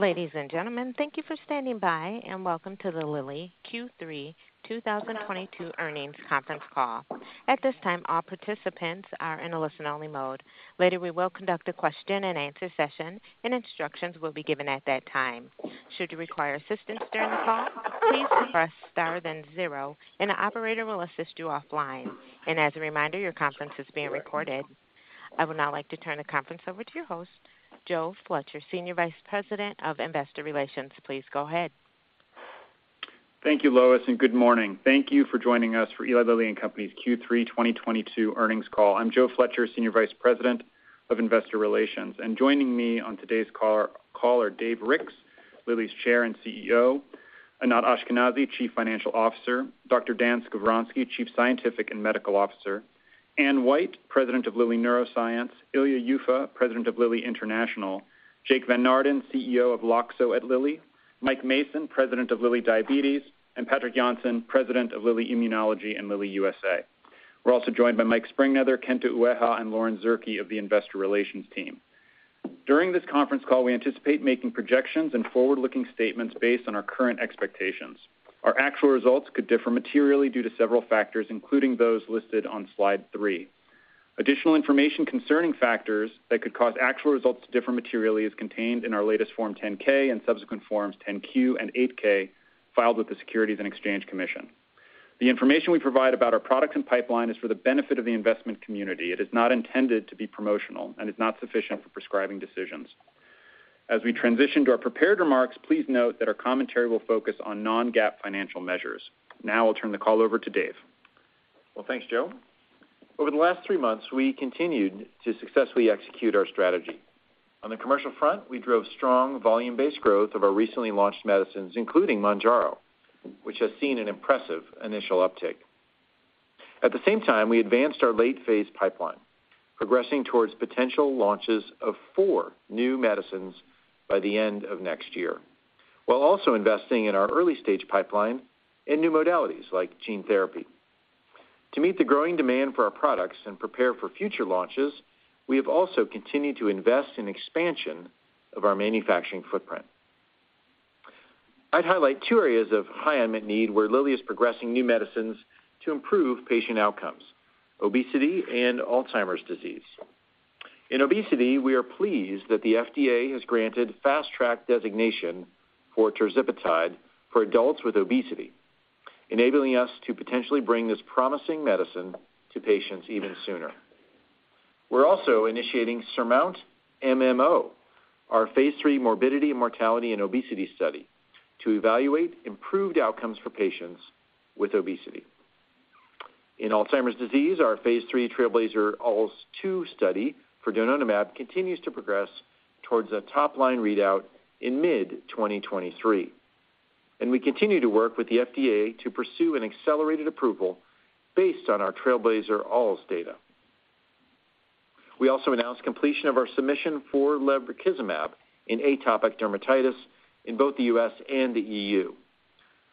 Ladies and gentlemen, thank you for standing by, and welcome to the Lilly Q3 2022 Earnings conference call. At this time, all participants are in a listen-only mode. Later, we will conduct a question-and-answer session, and instructions will be given at that time. Should you require assistance during the call, please press star then zero, and the operator will assist you offline. As a reminder, your conference is being recorded. I would now like to turn the conference over to your host, Joe Fletcher, Senior Vice President of Investor Relations. Please go ahead. Thank you, Lois, and good morning. Thank you for joining us for Eli Lilly and Company's Q3 2022 earnings call. I'm Joe Fletcher, Senior Vice President of Investor Relations. Joining me on today's call are including Dave Ricks, Lilly's Chair and CEO, Anat Ashkenazi, Chief Financial Officer, Dr. Dan Skovronsky, Chief Scientific and Medical Officer, Anne White, President of Lilly Neuroscience, Ilya Yuffa, President of Lilly International, Jacob Van Naarden, CEO of Loxo at Lilly, Mike Mason, President of Lilly Diabetes, and Patrik Jonsson, President of Lilly Immunology and Lilly USA. We're also joined by Mike Sprengnether, Kento Ueha, and Lauren Zierke of the Investor Relations team. During this conference call, we anticipate making projections and forward-looking statements based on our current expectations. Our actual results could differ materially due to several factors, including those listed on slide three. Additional information concerning factors that could cause actual results to differ materially is contained in our latest Form 10-K and subsequent Forms 10-Q and 8-K filed with the Securities and Exchange Commission. The information we provide about our products and pipeline is for the benefit of the investment community. It is not intended to be promotional and is not sufficient for prescribing decisions. As we transition to our prepared remarks, please note that our commentary will focus on non-GAAP financial measures. Now I'll turn the call over to Dave. Well, thanks, Joe. Over the last three months, we continued to successfully execute our strategy. On the commercial front, we drove strong volume-based growth of our recently launched medicines, including Mounjaro, which has seen an impressive initial uptick. At the same time, we advanced our late-phase pipeline, progressing towards potential launches of four new medicines by the end of next year, while also investing in our early-stage pipeline and new modalities like gene therapy. To meet the growing demand for our products and prepare for future launches, we have also continued to invest in expansion of our manufacturing footprint. I'd highlight two areas of high unmet need where Lilly is progressing new medicines to improve patient outcomes, obesity and alzheimer's disease. In obesity, we are pleased that the FDA has granted Fast Track designation for tirzepatide for adults with obesity, enabling us to potentially bring this promising medicine to patients even sooner. We're also initiating SURMOUNT-MMO, our Phase III morbidity, mortality, and obesity study to evaluate improved outcomes for patients with obesity. In alzheimer's disease, our Phase III TRAILBLAZER-ALZ 2 study for donanemab continues to progress towards a top-line readout in mid-2023, and we continue to work with the FDA to pursue an accelerated approval based on our TRAILBLAZER-ALZ data. We also announced completion of our submission for lebrikizumab in atopic dermatitis in both the U.S. and the E.U.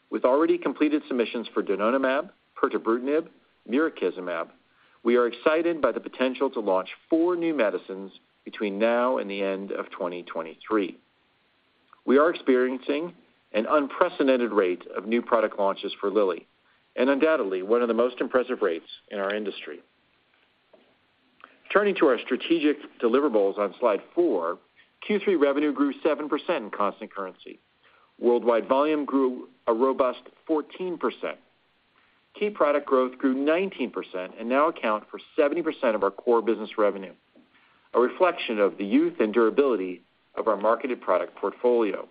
With already completed submissions for donanemab, pirtobrutinib, mirikizumab, we are excited by the potential to launch four new medicines between now and the end of 2023. We are experiencing an unprecedented rate of new product launches for Lilly and undoubtedly one of the most impressive rates in our industry. Turning to our strategic deliverables on Slide four, Q3 revenue grew 7% in constant currency. Worldwide volume grew a robust 14%. Key product growth grew 19% and now account for 70% of our core business revenue, a reflection of the youth and durability of our marketed product portfolio.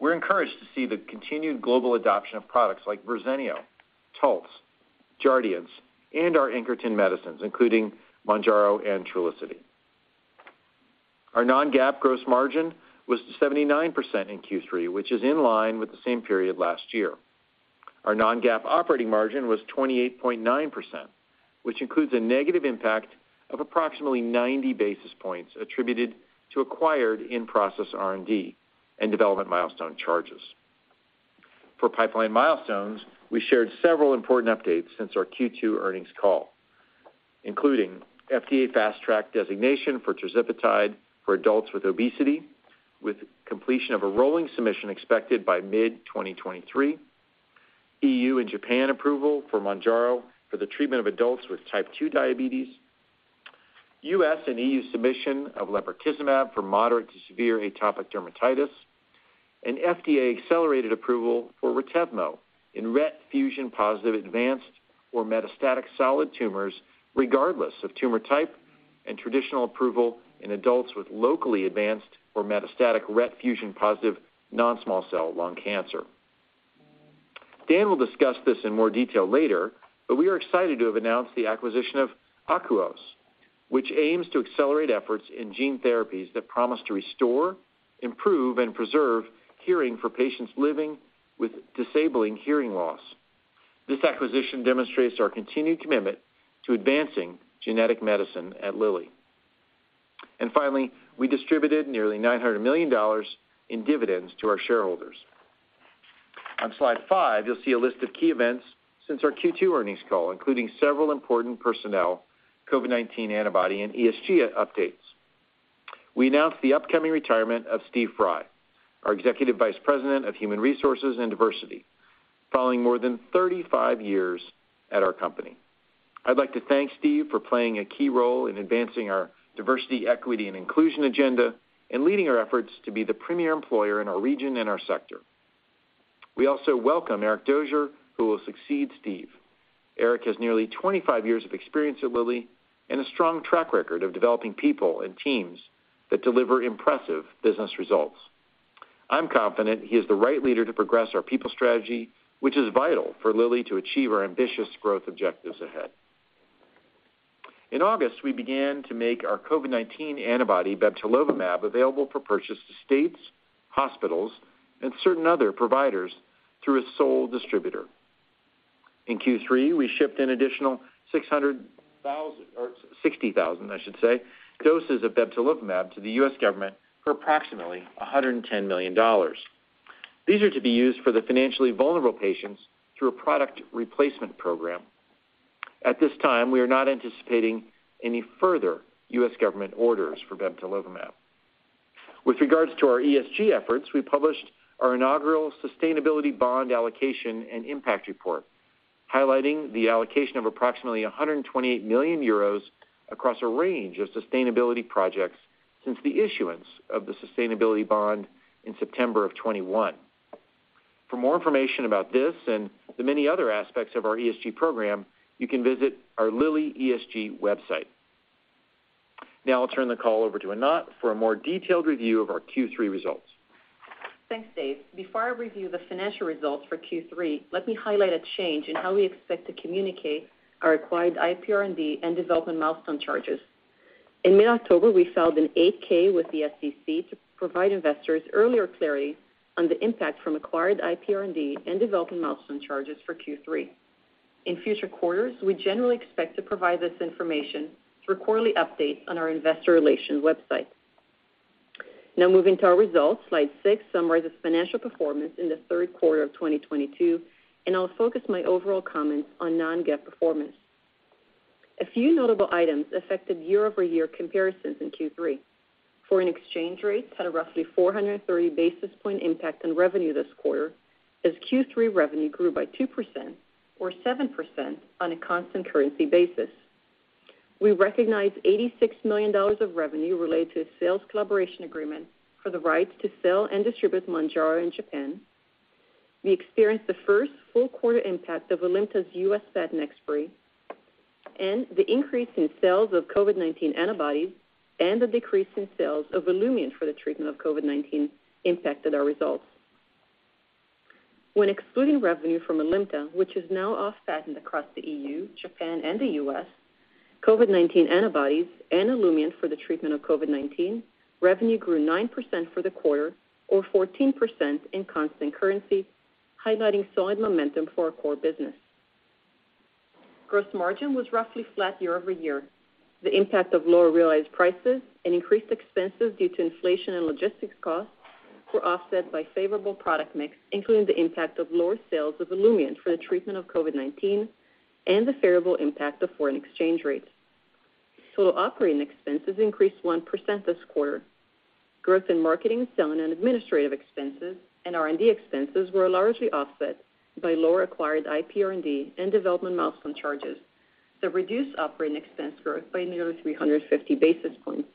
We're encouraged to see the continued global adoption of products like Verzenio, Taltz, Jardiance, and our Incretin medicines, including Mounjaro and Trulicity. Our non-GAAP gross margin was 79% in Q3, which is in line with the same period last year. Our non-GAAP operating margin was 28.9%, which includes a negative impact of approximately 90 basis points attributed to acquired in-process R&D and development milestone charges. For pipeline milestones, we shared several important updates since our Q2 earnings call, including FDA Fast Track designation for tirzepatide for adults with obesity, with completion of a rolling submission expected by mid-2023, E.U. and Japan approval for Mounjaro for the treatment of adults with type 2 diabetes, U.S. and E.U. submission of lebrikizumab for moderate to severe atopic dermatitis, an FDA accelerated approval for Retevmo in RET fusion-positive advanced or metastatic solid tumors regardless of tumor type and traditional approval in adults with locally advanced or metastatic RET fusion-positive non-small cell lung cancer. Dan will discuss this in more detail later, but we are excited to have announced the acquisition of Akouos, which ams to accelerate efforts in gene therapies that promise to restore, improve, and preserve hearing for patients living with disabling hearing loss. This acquisition demonstrates our continued commitment to advancing genetic medicine at Lilly. Finally, we distributed nearly $900 million in dividends to our shareholders. On slide five, you'll see a list of key events since our Q2 earnings call, including several important personnel, COVID-19 antibody, and ESG updates. We announced the upcoming retirement of Stephen Fry, our Senior Vice President of Human Resources and Diversity, following more than 35 years at our company. I'd like to thank Steve for playing a key role in advancing our diversity, equity, and inclusion agenda and leading our efforts to be the premier employer in our region and our sector. We also welcome Eric Dozier, who will succeed Steve. Eric has nearly 25 years of experience at Lilly and a strong track record of developing people and teams that deliver impressive business results. I'm confident he is the right leader to progress our people strategy, which is vital for Lilly to achieve our ambitious growth objectives ahead. In August, we began to make our COVID-19 antibody bebtelovimab available for purchase to states, hospitals, and certain other providers through a sole distributor. In Q3, we shipped an additional 600,000—or 60,000, I should say, doses of bebtelovimab to the U.S. government for approximately $110 million. These are to be used for the financially vulnerable patients through a product replacement program. At this time, we are not anticipating any further U.S. government orders for bebtelovimab. With regards to our ESG efforts, we published our inaugural sustainability bond allocation and impact report, highlighting the allocation of approximately 128 million euros across a range of sustainability projects since the issuance of the sustainability bond in September of 2021. For more information about this and the many other aspects of our ESG program, you can visit our Lilly ESG website. Now I'll turn the call over to Anat for a more detailed review of our Q3 results. Thanks, Dave. Before I review the financial results for Q3, let me highlight a change in how we expect to communicate our acquired IPR&D and development milestone charges. In mid-October, we filed an 8-K with the SEC to provide investors earlier clarity on the impact from acquired IPR&D and development milestone charges for Q3. In future quarters, we generally expect to provide this information through quarterly updates on our investor relations website. Now moving to our results. Slide six summarizes financial performance in the third quarter of 2022, and I'll focus my overall comments on non-GAAP performance. A few notable items affected year-over-year comparisons in Q3. Foreign exchange rates had a roughly 430 basis point impact on revenue this quarter as Q3 revenue grew by 2% or 7% on a constant currency basis. We recognized $86 million of revenue related to a sales collaboration agreement for the right to sell and distribute Mounjaro in Japan. We experienced the first full quarter impact of Alimta's U.S. patent expiry and the increase in sales of COVID-19 antibodies and the decrease in sales of Olumiant for the treatment of COVID-19 impacted our results. When excluding revenue from Alimta, which is now off patent across the E.U., Japan, and the U.S., COVID-19 antibodies and Olumiant for the treatment of COVID-19, revenue grew 9% for the quarter or 14% in constant currency, highlighting solid momentum for our core business. Gross margin was roughly flat year-over-year. The impact of lower realized prices and increased expenses due to inflation and logistics costs were offset by favorable product mix, including the impact of lower sales of Olumiant for the treatment of COVID-19 and the favorable impact of foreign exchange rates. Operating expenses increased 1% this quarter. Growth in marketing, selling, and administrative expenses and R&D expenses were largely offset by lower acquired IPR&D and development milestone charges that reduced operating expense growth by nearly 350 basis points.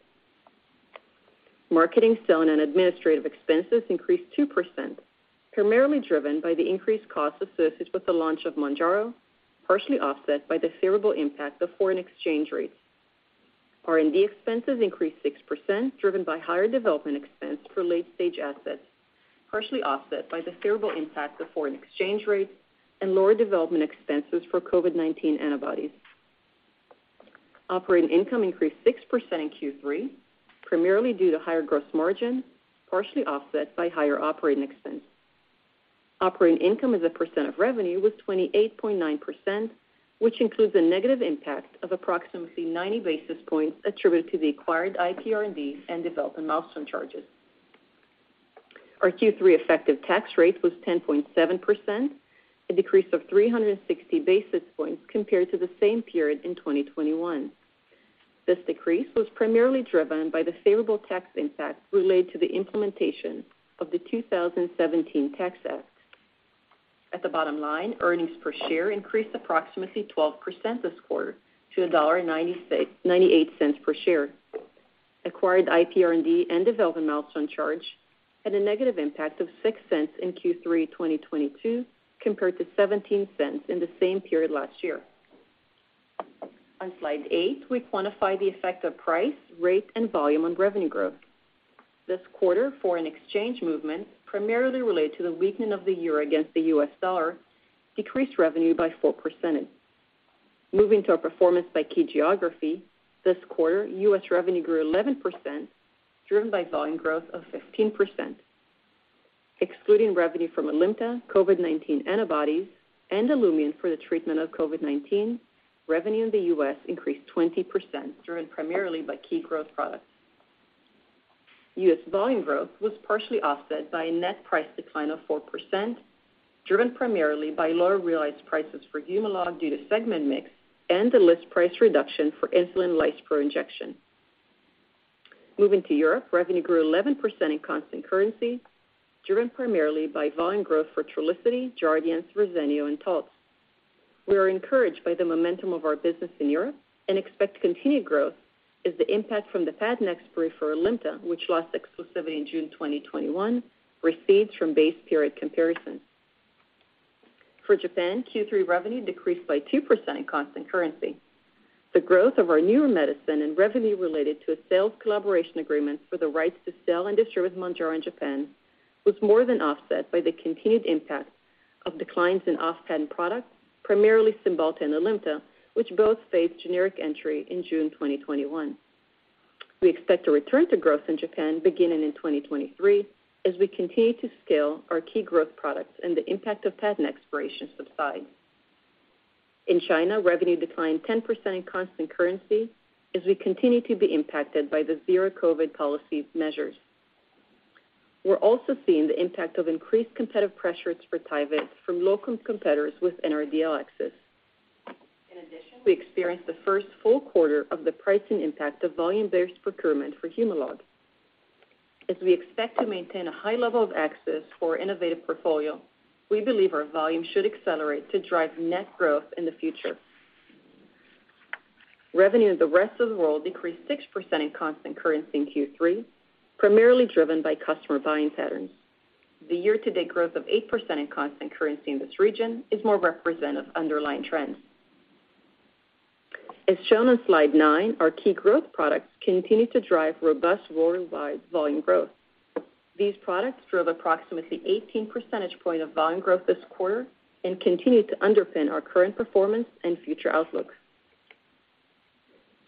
Marketing, selling, and administrative expenses increased 2%, primarily driven by the increased costs associated with the launch of Mounjaro, partially offset by the favorable impact of foreign exchange rates. R&D expenses increased 6%, driven by higher development expense for late-stage assets, partially offset by the favorable impact of foreign exchange rates and lower development expenses for COVID-19 antibodies. Operating income increased 6% in Q3, primarily due to higher gross margin, partially offset by higher operating expense. Operating income as a percent of revenue was 28.9%, which includes a negative impact of approximately 90 basis points attributed to the acquired IPR&D and development milestone charges. Our Q3 effective tax rate was 10.7%, a decrease of 360 basis points compared to the same period in 2021. This decrease was primarily driven by the favorable tax impact related to the implementation of the 2017 Tax Act. At the bottom line, earnings per share increased approximately 12% this quarter to $1.98 per share. Acquired IPR&D and development milestone charge had a negative impact of $0.06 in Q3 2022 compared to $0.17 in the same period last year. On slide, we quantify the effect of price, rate, and volume on revenue growth. This quarter, foreign exchange movement, primarily related to the weakening of the euro against the U.S. dollar, decreased revenue by 4%. Moving to our performance by key geography, this quarter, U.S. revenue grew 11%, driven by volume growth of 15%. Excluding revenue from Alimta, COVID-19 antibodies, and Olumiant for the treatment of COVID-19, revenue in the U.S. increased 20%, driven primarily by key growth products. U.S. volume growth was partially offset by a net price decline of 4%, driven primarily by lower realized prices for Humalog due to segment mix and the list price reduction for Insulin Lispro injection. Moving to Europe, revenue grew 11% in constant currency, driven primarily by volume growth for Trulicity, Jardiance, Verzenio and Taltz. We are encouraged by the momentum of our business in Europe and expect continued growth as the impact from the patent expiry for Alimta, which lost exclusivity in June 2021, recedes from base period comparison. For Japan, Q3 revenue decreased by 2% in constant currency. The growth of our newer medicine and revenue related to a sales collaboration agreement for the rights to sell and distribute Mounjaro in Japan was more than offset by the continued impact of declines in off-patent products, primarily Cymbalta and Alimta, which both faced generic entry in June 2021. We expect a return to growth in Japan beginning in 2023 as we continue to scale our key growth products and the impact of patent expiration subsides. In China, revenue declined 10% in constant currency as we continue to be impacted by the zero COVID policy measures. We're also seeing the impact of increased competitive pressures for Tyvyt from local competitors with NRDL access. In addition, we experienced the first full quarter of the pricing impact of volume-based procurement for Humalog. As we expect to maintain a high level of access for our innovative portfolio, we believe our volume should accelerate to drive net growth in the future. Revenue in the rest of the world decreased 6% in constant currency in Q3, primarily driven by customer buying patterns. The year-to-date growth of 8% in constant currency in this region is more representative of underlying trends. As shown on slide nine, our key growth products continue to drive robust worldwide volume growth. These products drove approximately 18 percentage point of volume growth this quarter and continue to underpin our current performance and future outlooks.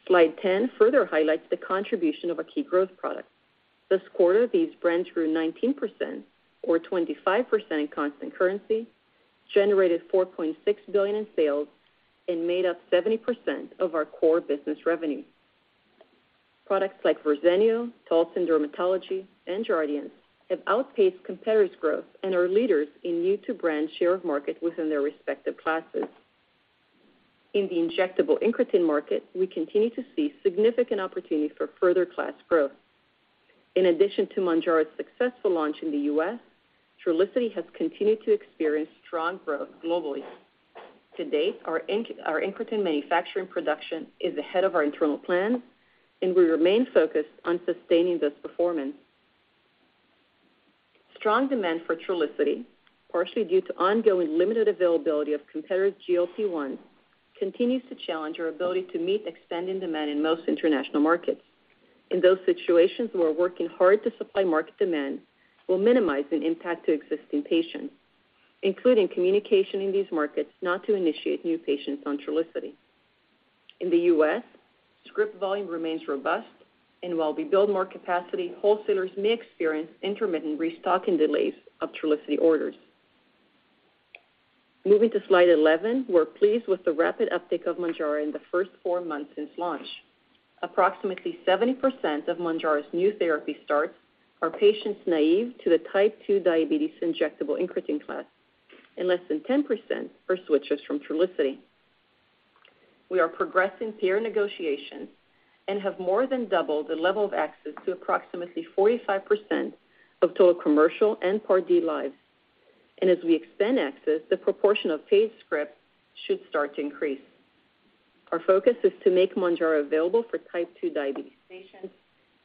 Slide 10 further highlights the contribution of our key growth products. This quarter, these brands grew 19%, or 25% in constant currency, generated $4.6 billion in sales, and made up 70% of our core business revenue. Products like Verzenio, Taltz in dermatology, and Jardiance have outpaced competitors' growth and are leaders in new to brand share of market within their respective classes. In the injectable incretin market, we continue to see significant opportunities for further class growth. In addition to Mounjaro's successful launch in the U.S., Trulicity has continued to experience strong growth globally. To date, our incretin manufacturing production is ahead of our internal plans, and we remain focused on sustaining this performance. Strong demand for Trulicity, partially due to ongoing limited availability of competitors' GLP-1, continues to challenge our ability to meet expanding demand in most international markets. In those situations, we're working hard to supply market demand while minimizing impact to existing patients, including communication in these markets not to initiate new patients on Trulicity. In the U.S., script volume remains robust, and while we build more capacity, wholesalers may experience intermittent restocking delays of Trulicity orders. Moving to slide 11, we're pleased with the rapid uptick of Mounjaro in the first four months since launch. Approximately 70% of Mounjaro's new therapy starts are patients naive to the type 2 diabetes injectable incretin class, and less than 10% are switchers from Trulicity. We are progressing payer negotiations and have more than doubled the level of access to approximately 45% of total commercial and Part D lives. As we expand access, the proportion of paid scripts should start to increase. Our focus is to make Mounjaro available for type 2 diabetes patients,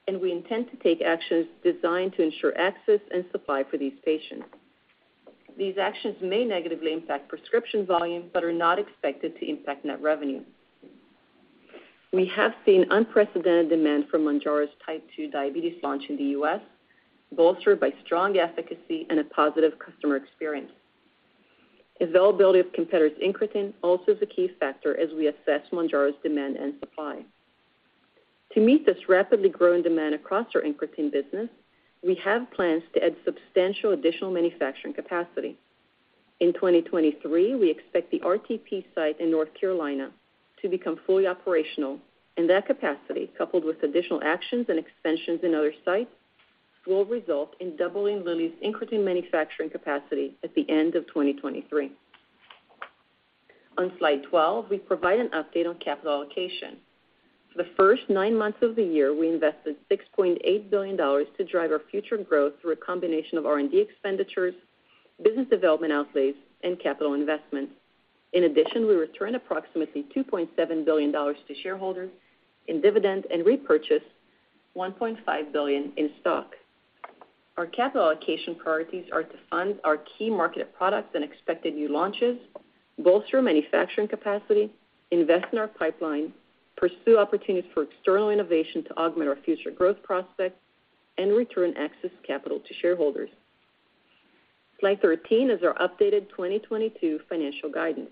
and we intend to take actions designed to ensure access and supply for these patients. These actions may negatively impact prescription volumes, but are not expected to impact net revenue. We have seen unprecedented demand for Mounjaro's type 2 diabetes launch in the U.S., bolstered by strong efficacy and a positive customer experience. Availability of competitors' incretin also is a key factor as we assess Mounjaro's demand and supply. To meet this rapidly growing demand across our incretin business, we have plans to add substantial additional manufacturing capacity. In 2023, we expect the RTP site in North Carolina to become fully operational, and that capacity, coupled with additional actions and expansions in other sites, will result in doubling Lilly's incretin manufacturing capacity at the end of 2023. On slide 12, we provide an update on capital allocation. For the first nine months of the year, we invested $6.8 billion to drive our future growth through a combination of R&D expenditures, business development outlays, and capital investments. In addition, we returned approximately $2.7 billion to shareholders in dividends and repurchased $1.5 billion in stock. Our capital allocation priorities are to fund our key marketed products and expected new launches, bolster manufacturing capacity, invest in our pipeline, pursue opportunities for external innovation to augment our future growth prospects, and return excess capital to shareholders. Slide 13 is our updated 2022 financial guidance.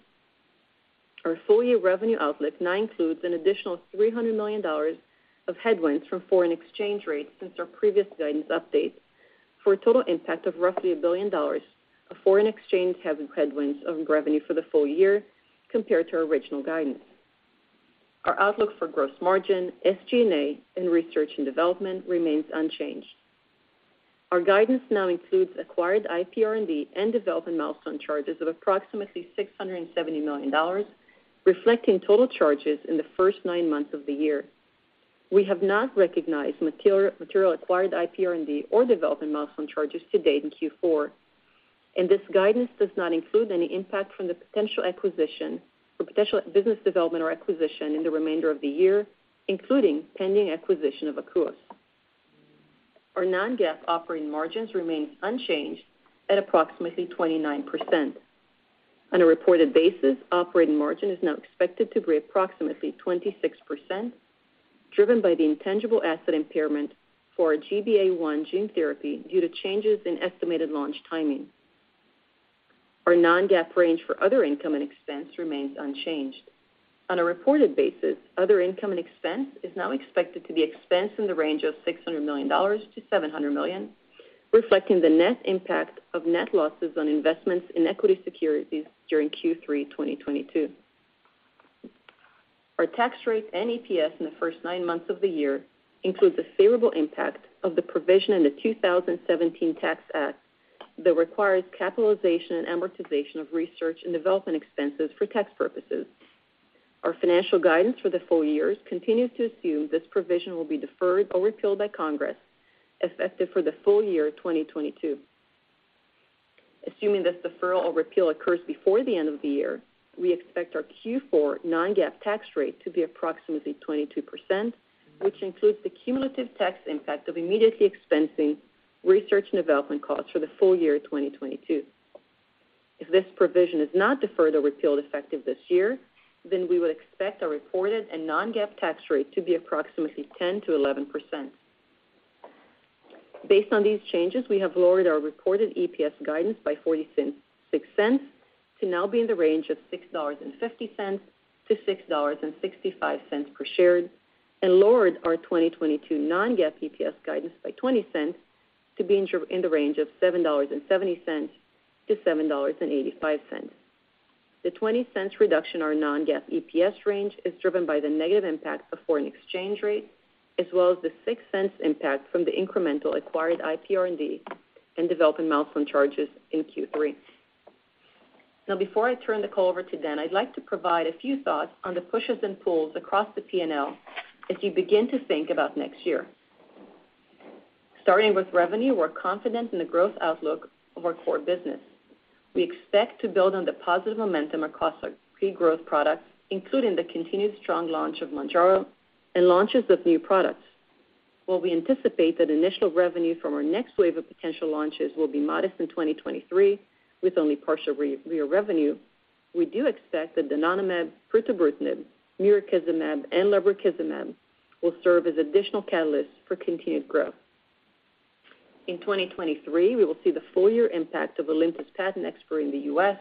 Our full-year revenue outlook now includes an additional $300 million of headwinds from foreign exchange rates since our previous guidance update, for a total impact of roughly $1 billion of foreign exchange-driven headwinds on revenue for the full year compared to our original guidance. Our outlook for gross margin, SG&A, and research and development remains unchanged. Our guidance now includes acquired IPR&D and development milestone charges of approximately $670 million, reflecting total charges in the first nine months of the year. We have not recognized material acquired IPR&D or development milestone charges to date in Q4, and this guidance does not include any impact from the potential acquisition or potential business development or acquisition in the remainder of the year, including pending acquisition of Akouos. Our non-GAAP operating margins remain unchanged at approximately 29%. On a reported basis, operating margin is now expected to be approximately 26%, driven by the intangible asset impairment for our GBA1 gene therapy due to changes in estimated launch timing. Our non-GAAP range for other income and expense remains unchanged. On a reported basis, other income and expense is now expected to be expensed in the range of $600 million-$700 million, reflecting the net impact of net losses on investments in equity securities during Q3 2022. Our tax rate and EPS in the first nine months of the year includes the favorable impact of the provision in the 2017 Tax Act that requires capitalization and amortization of research and development expenses for tax purposes. Our financial guidance for the full year continues to assume this provision will be deferred or repealed by Congress, effective for the full year 2022. Assuming this deferral or repeal occurs before the end of the year, we expect our Q4 non-GAAP tax rate to be approximately 22%, which includes the cumulative tax impact of immediately expensing research and development costs for the full year 2022. If this provision is not deferred or repealed effective this year, then we would expect our reported and non-GAAP tax rate to be approximately 10%-11%. Based on these changes, we have lowered our reported EPS guidance by six cents to now be in the range of $6.50-$6.65 per share, and lowered our 2022 non-GAAP EPS guidance by $0.20 .To be in the range of $7.70-$7.85. The $0.20 reduction in our non-GAAP EPS range is driven by the negative impact of foreign exchange rate as well as the $0.06 impact from the incremental acquired IPR&D and development milestone charges in Q3. Now before I turn the call over to Dan, I'd like to provide a few thoughts on the pushes and pulls across the P&L as we begin to think about next year. Starting with revenue, we're confident in the growth outlook of our core business. We expect to build on the positive momentum across our key growth products, including the continued strong launch of Mounjaro and launches of new products. While we anticipate that initial revenue from our next wave of potential launches will be modest in 2023, with only partial year revenue, we do expect that donanemab, pirtobrutinib, mirikizumab, and lebrikizumab will serve as additional catalysts for continued growth. In 2023, we will see the full year impact of Alimta's patent expiry in the U.S.,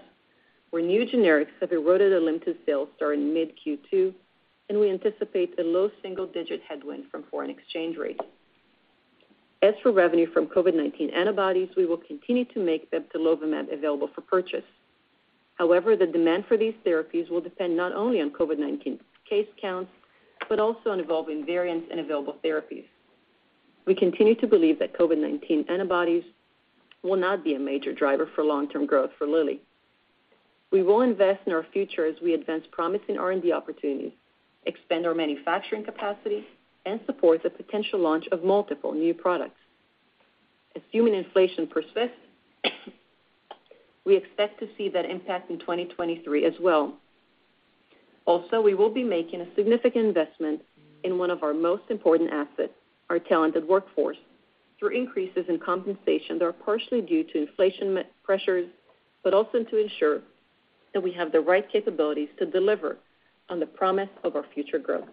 where new generics have eroded Alimta's sales starting mid Q2, and we anticipate a low single-digit% headwind from foreign exchange rates. As for revenue from COVID-19 antibodies, we will continue to make bebtelovimab available for purchase. However, the demand for these therapies will depend not only on COVID-19 case counts, but also on evolving variants and available therapies. We continue to believe that COVID-19 antibodies will not be a major driver for long-term growth for Lilly. We will invest in our future as we advance promising R&D opportunities, expand our manufacturing capacity, and support the potential launch of multiple new products. Assuming inflation persists, we expect to see that impact in 2023 as well. Also, we will be making a significant investment in one of our most important assets, our talented workforce, through increases in compensation that are partially due to inflationary pressures, but also to ensure that we have the right capabilities to deliver on the promise of our future growth.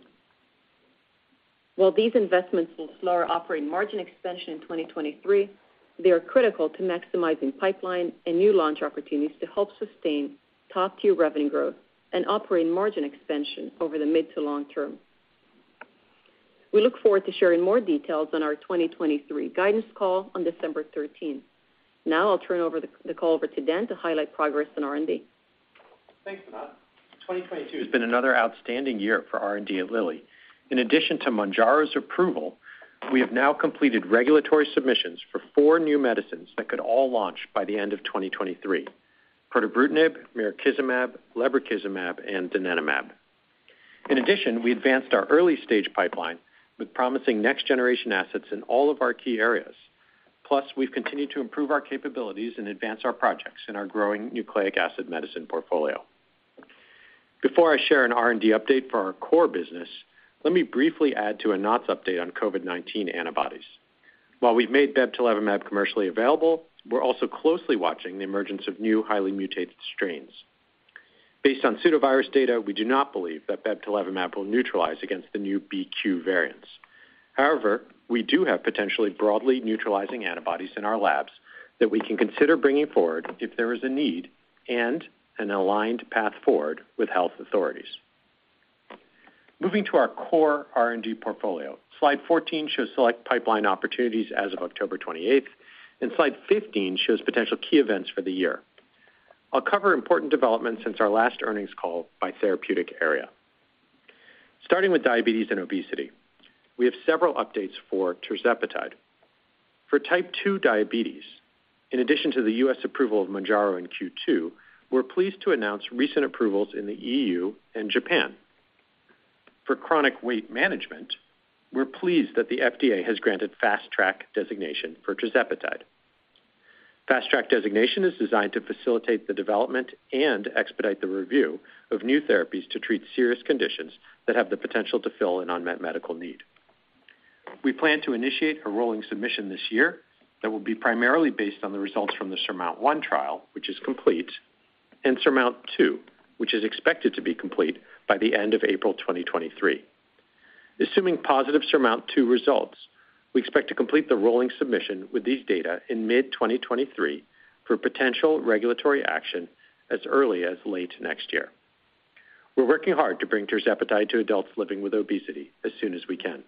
While these investments will slow our operating margin expansion in 2023, they are critical to maximizing pipeline and new launch opportunities to help sustain top-tier revenue growth and operating margin expansion over the mid to long term. We look forward to sharing more details on our 2023 guidance call on December 13. Now I'll turn the call over to Dan to highlight progress in R&D. Thanks, Anat. 2022 has been another outstanding year for R&D at Lilly. In addition to Mounjaro's approval, we have now completed regulatory submissions for four new medicines that could all launch by the end of 2023, pirtobrutinib, mirikizumab, lebrikizumab, and donanemab. In addition, we advanced our early stage pipeline with promising next generation assets in all of our key areas. Plus, we've continued to improve our capabilities and advance our projects in our growing nucleic acid medicine portfolio. Before I share an R&D update for our core business, let me briefly add to Anat's update on COVID-19 antibodies. While we've made bebtelovimab commercially available, we're also closely watching the emergence of new highly mutated strains. Based on pseudovirus data, we do not believe that bebtelovimab will neutralize against the new BQ variants. However, we do have potentially broadly neutralizing antibodies in our labs that we can consider bringing forward if there is a need and an aligned path forward with health authorities. Moving to our core R&D portfolio, slide 14 shows select pipeline opportunities as of October 28, 2022, and slide 15 shows potential key events for the year. I'll cover important developments since our last earnings call by therapeutic area. Starting with diabetes and obesity, we have several updates for tirzepatide. For type 2 diabetes, in addition to the U.S. approval of Mounjaro in Q2, we're pleased to announce recent approvals in the E.U. and Japan. For chronic weight management, we're pleased that the FDA has granted Fast Track designation for tirzepatide. Fast Track designation is designed to facilitate the development and expedite the review of new therapies to treat serious conditions that have the potential to fill an unmet medical need. We plan to initiate a rolling submission this year that will be primarily based on the results from the SURMOUNT-1 trial, which is complete, and SURMOUNT-2, which is expected to be complete by the end of April 2023. Assuming positive SURMOUNT-2 results, we expect to complete the rolling submission with these data in mid-2023 for potential regulatory action as early as late next year. We're working hard to bring tirzepatide to adults living with obesity as soon as we can.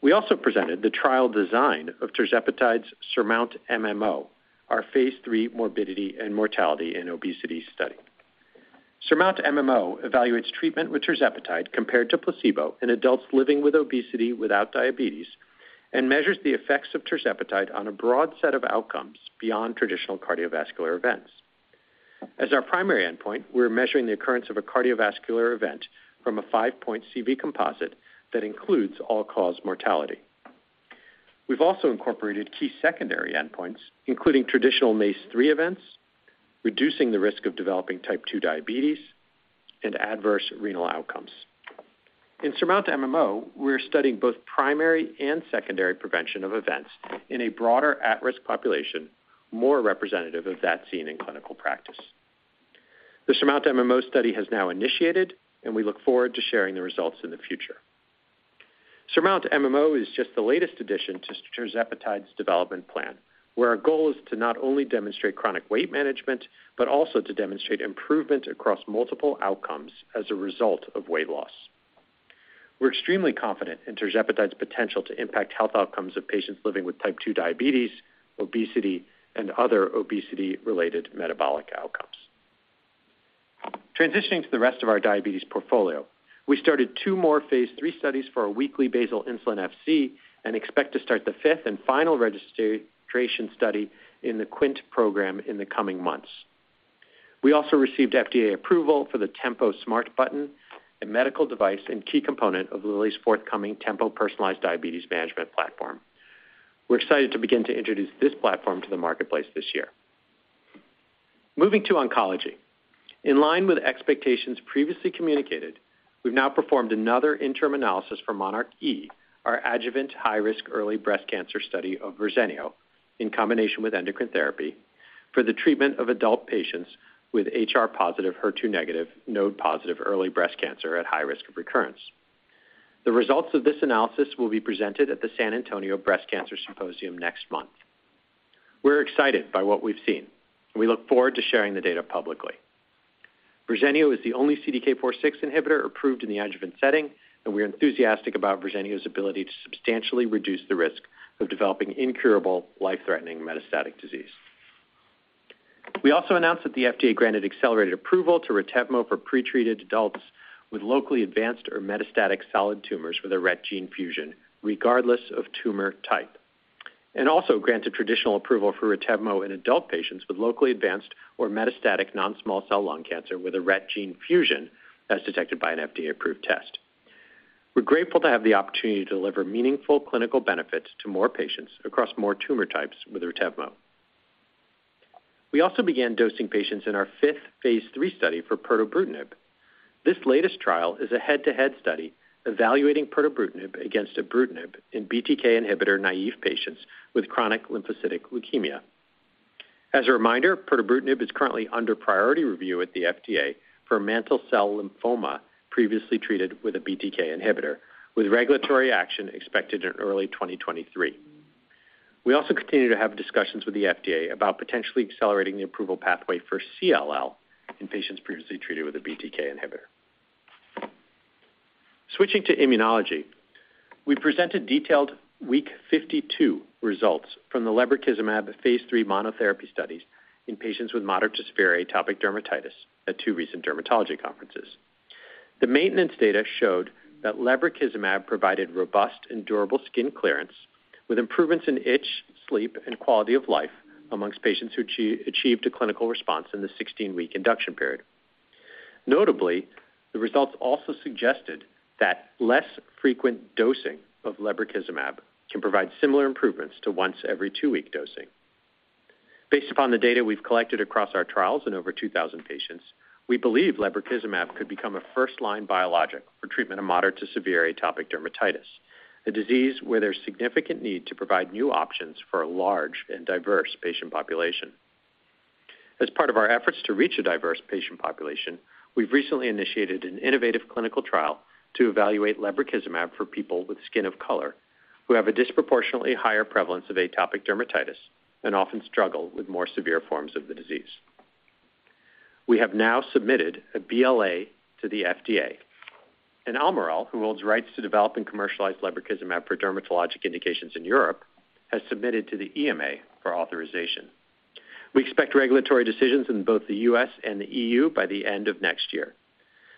We also presented the trial design of tirzepatide's SURMOUNT-MMO, our phase III morbidity and mortality in obesity study. SURMOUNT-MMO evaluates treatment with tirzepatide compared to placebo in adults living with obesity without diabetes and measures the effects of tirzepatide on a broad set of outcomes beyond traditional cardiovascular events. As our primary endpoint, we're measuring the occurrence of a cardiovascular event from a 5-point CV composite that includes all-cause mortality. We've also incorporated key secondary endpoints, including traditional MACE-3 events, reducing the risk of developing type 2 diabetes, and adverse renal outcomes. In SURMOUNT-MMO, we're studying both primary and secondary prevention of events in a broader at-risk population, more representative of that seen in clinical practice. The SURMOUNT-MMO study has now initiated, and we look forward to sharing the results in the future. SURMOUNT-MMO is just the latest addition to tirzepatide's development plan, where our goal is to not only demonstrate chronic weight management, but also to demonstrate improvement across multiple outcomes as a result of weight loss. We're extremely confident in tirzepatide's potential to impact health outcomes of patients living with type 2 diabetes, obesity, and other obesity-related metabolic outcomes. Transitioning to the rest of our diabetes portfolio, we started two more phase III studies for our weekly basal insulin FC and expect to start the fifth and final registration study in the QUINT program in the coming months. We also received FDA approval for the Tempo Smart Button, a medical device and key component of Lilly's forthcoming Tempo personalized diabetes management platform. We're excited to begin to introduce this platform to the marketplace this year. Moving to oncology. In line with expectations previously communicated, we've now performed another interim analysis for MONARCH-E, our adjuvant high-risk early breast cancer study of Verzenio in combination with endocrine therapy for the treatment of adult patients with HR-positive, HER2-negative, node-positive early breast cancer at high risk of recurrence. The results of this analysis will be presented at the San Antonio Breast Cancer Symposium next month. We're excited by what we've seen. We look forward to sharing the data publicly. Verzenio is the only CDK4/6 inhibitor approved in the adjuvant setting, and we're enthusiastic about Verzenio's ability to substantially reduce the risk of developing incurable, life-threatening metastatic disease. We also announced that the FDA granted accelerated approval to Retevmo for pretreated adults with locally advanced or metastatic solid tumors with a RET gene fusion, regardless of tumor type, and also granted traditional approval for Retevmo in adult patients with locally advanced or metastatic non-small cell lung cancer with a RET gene fusion as detected by an FDA-approved test. We're grateful to have the opportunity to deliver meaningful clinical benefits to more patients across more tumor types with Retevmo. We also began dosing patients in our fifth phase III study for pirtobrutinib. This latest trial is a head-to-head study evaluating pirtobrutinib against ibrutinib in BTK inhibitor naive patients with chronic lymphocytic leukemia. As a reminder, pirtobrutinib is currently under priority review at the FDA for mantle cell lymphoma previously treated with a BTK inhibitor, with regulatory action expected in early 2023. We also continue to have discussions with the FDA about potentially accelerating the approval pathway for CLL in patients previously treated with a BTK inhibitor. Switching to immunology, we presented detailed week 52 results from the lebrikizumab phase three monotherapy studies in patients with moderate to severe atopic dermatitis at two recent dermatology conferences. The maintenance data showed that lebrikizumab provided robust and durable skin clearance with improvements in itch, sleep, and quality of life among patients who achieved a clinical response in the 16-week induction period. Notably, the results also suggested that less frequent dosing of lebrikizumab can provide similar improvements to once every two-week dosing. Based upon the data we've collected across our trials in over 2,000 patients, we believe lebrikizumab could become a first-line biologic for treatment of moderate to severe atopic dermatitis, a disease where there's significant need to provide new options for a large and diverse patient population. As part of our efforts to reach a diverse patient population, we've recently initiated an innovative clinical trial to evaluate lebrikizumab for people with skin of color who have a disproportionately higher prevalence of atopic dermatitis and often struggle with more severe forms of the disease. We have now submitted a BLA to the FDA. Almirall, who holds rights to develop and commercialize lebrikizumab for dermatologic indications in Europe, has submitted to the EMA for authorization. We expect regulatory decisions in both the U.S. and the E.U. by the end of next year.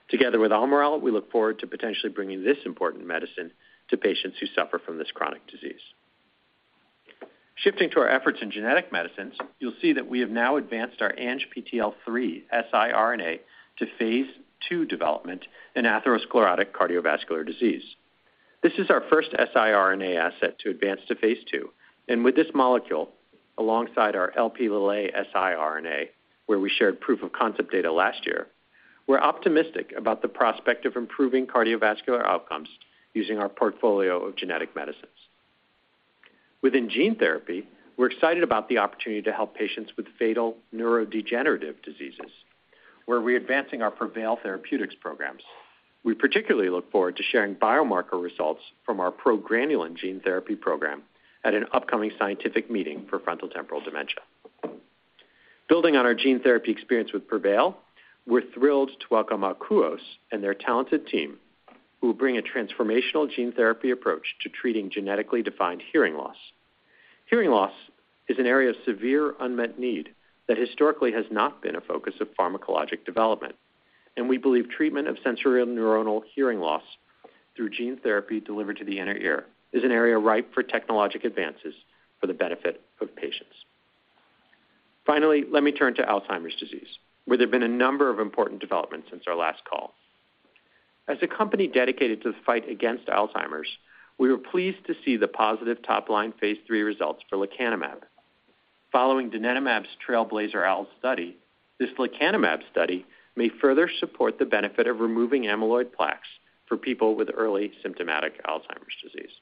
Together with Almirall, we look forward to potentially bringing this important medicine to patients who suffer from this chronic disease. Shifting to our efforts in genetic medicines, you'll see that we have now advanced our ANGPTL3 siRNA to phase II development in atherosclerotic cardiovascular disease. This is our first siRNA asset to advance to phase II, and with this molecule, alongside our Lp(a) siRNA, where we shared proof of concept data last year, we're optimistic about the prospect of improving cardiovascular outcomes using our portfolio of genetic medicines. Within gene therapy, we're excited about the opportunity to help patients with fatal neurodegenerative diseases, where we're advancing our Prevail Therapeutics programs. We particularly look forward to sharing biomarker results from our progranulin gene therapy program at an upcoming scientific meeting for frontotemporal dementia. Building on our gene therapy experience with Prevail, we're thrilled to welcome Akouos and their talented team, who will bring a transformational gene therapy approach to treating genetically defined hearing loss. Hearing loss is an area of severe unmet need that historically has not been a focus of pharmacologic development, and we believe treatment of sensorineural hearing loss through gene therapy delivered to the inner ear is an area ripe for technologic advances for the benefit of patients. Finally, let me turn to alzheimer's disease, where there have been a number of important developments since our last call. As a company dedicated to the fight against alzheimer's, we were pleased to see the positive top-line phase III results for lecanemab. Following donanemab's TRAILBLAZER-ALZ study, this lecanemab study may further support the benefit of removing amyloid plaques for people with early symptomatic alzheimer's disease.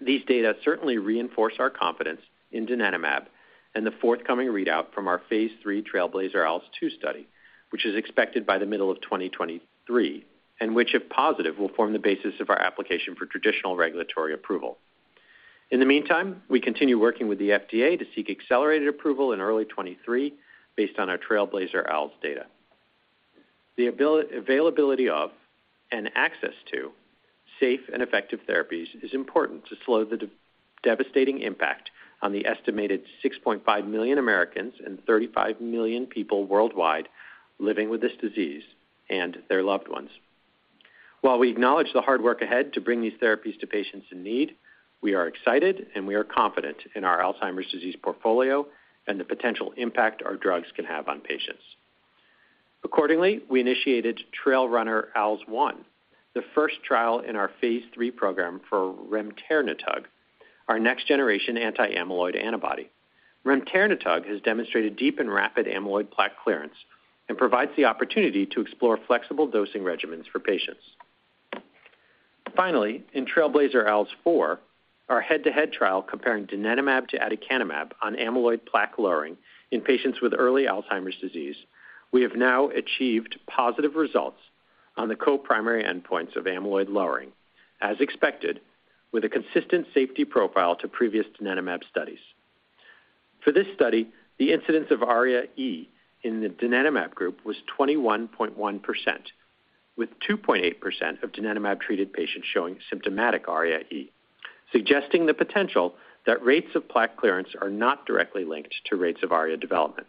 These data certainly reinforce our confidence in donanemab and the forthcoming readout from our phase III TRAILBLAZER-ALZ 2 study, which is expected by the middle of 2023, and which, if positive, will form the basis of our application for traditional regulatory approval. In the meantime, we continue working with the FDA to seek accelerated approval in early 2023 based on our TRAILBLAZER-ALZ data. The availability of and access to safe and effective therapies is important to slow the devastating impact on the estimated 6.5 million Americans and 35 million people worldwide living with this disease and their loved ones. While we acknowledge the hard work ahead to bring these therapies to patients in need, we are excited and we are confident in our alzheimer's disease portfolio and the potential impact our drugs can have on patients. Accordingly, we initiated TRAILRUNNER-ALZ 1, the first trial in our phase III program for remternetug, our next-generation anti-amyloid antibody. Remternetug has demonstrated deep and rapid amyloid plaque clearance and provides the opportunity to explore flexible dosing regimens for patients. Finally, in TRAILBLAZER-ALZ 4, our head-to-head trial comparing donanemab to aducanumab on amyloid plaque lowering in patients with early alzheimer's disease, we have now achieved positive results on the co-primary endpoints of amyloid lowering, as expected, with a consistent safety profile to previous donanemab studies. For this study, the incidence of ARIA-E in the donanemab group was 21.1%, with 2.8% of donanemab-treated patients showing symptomatic ARIA-E, suggesting the potential that rates of plaque clearance are not directly linked to rates of ARIA development.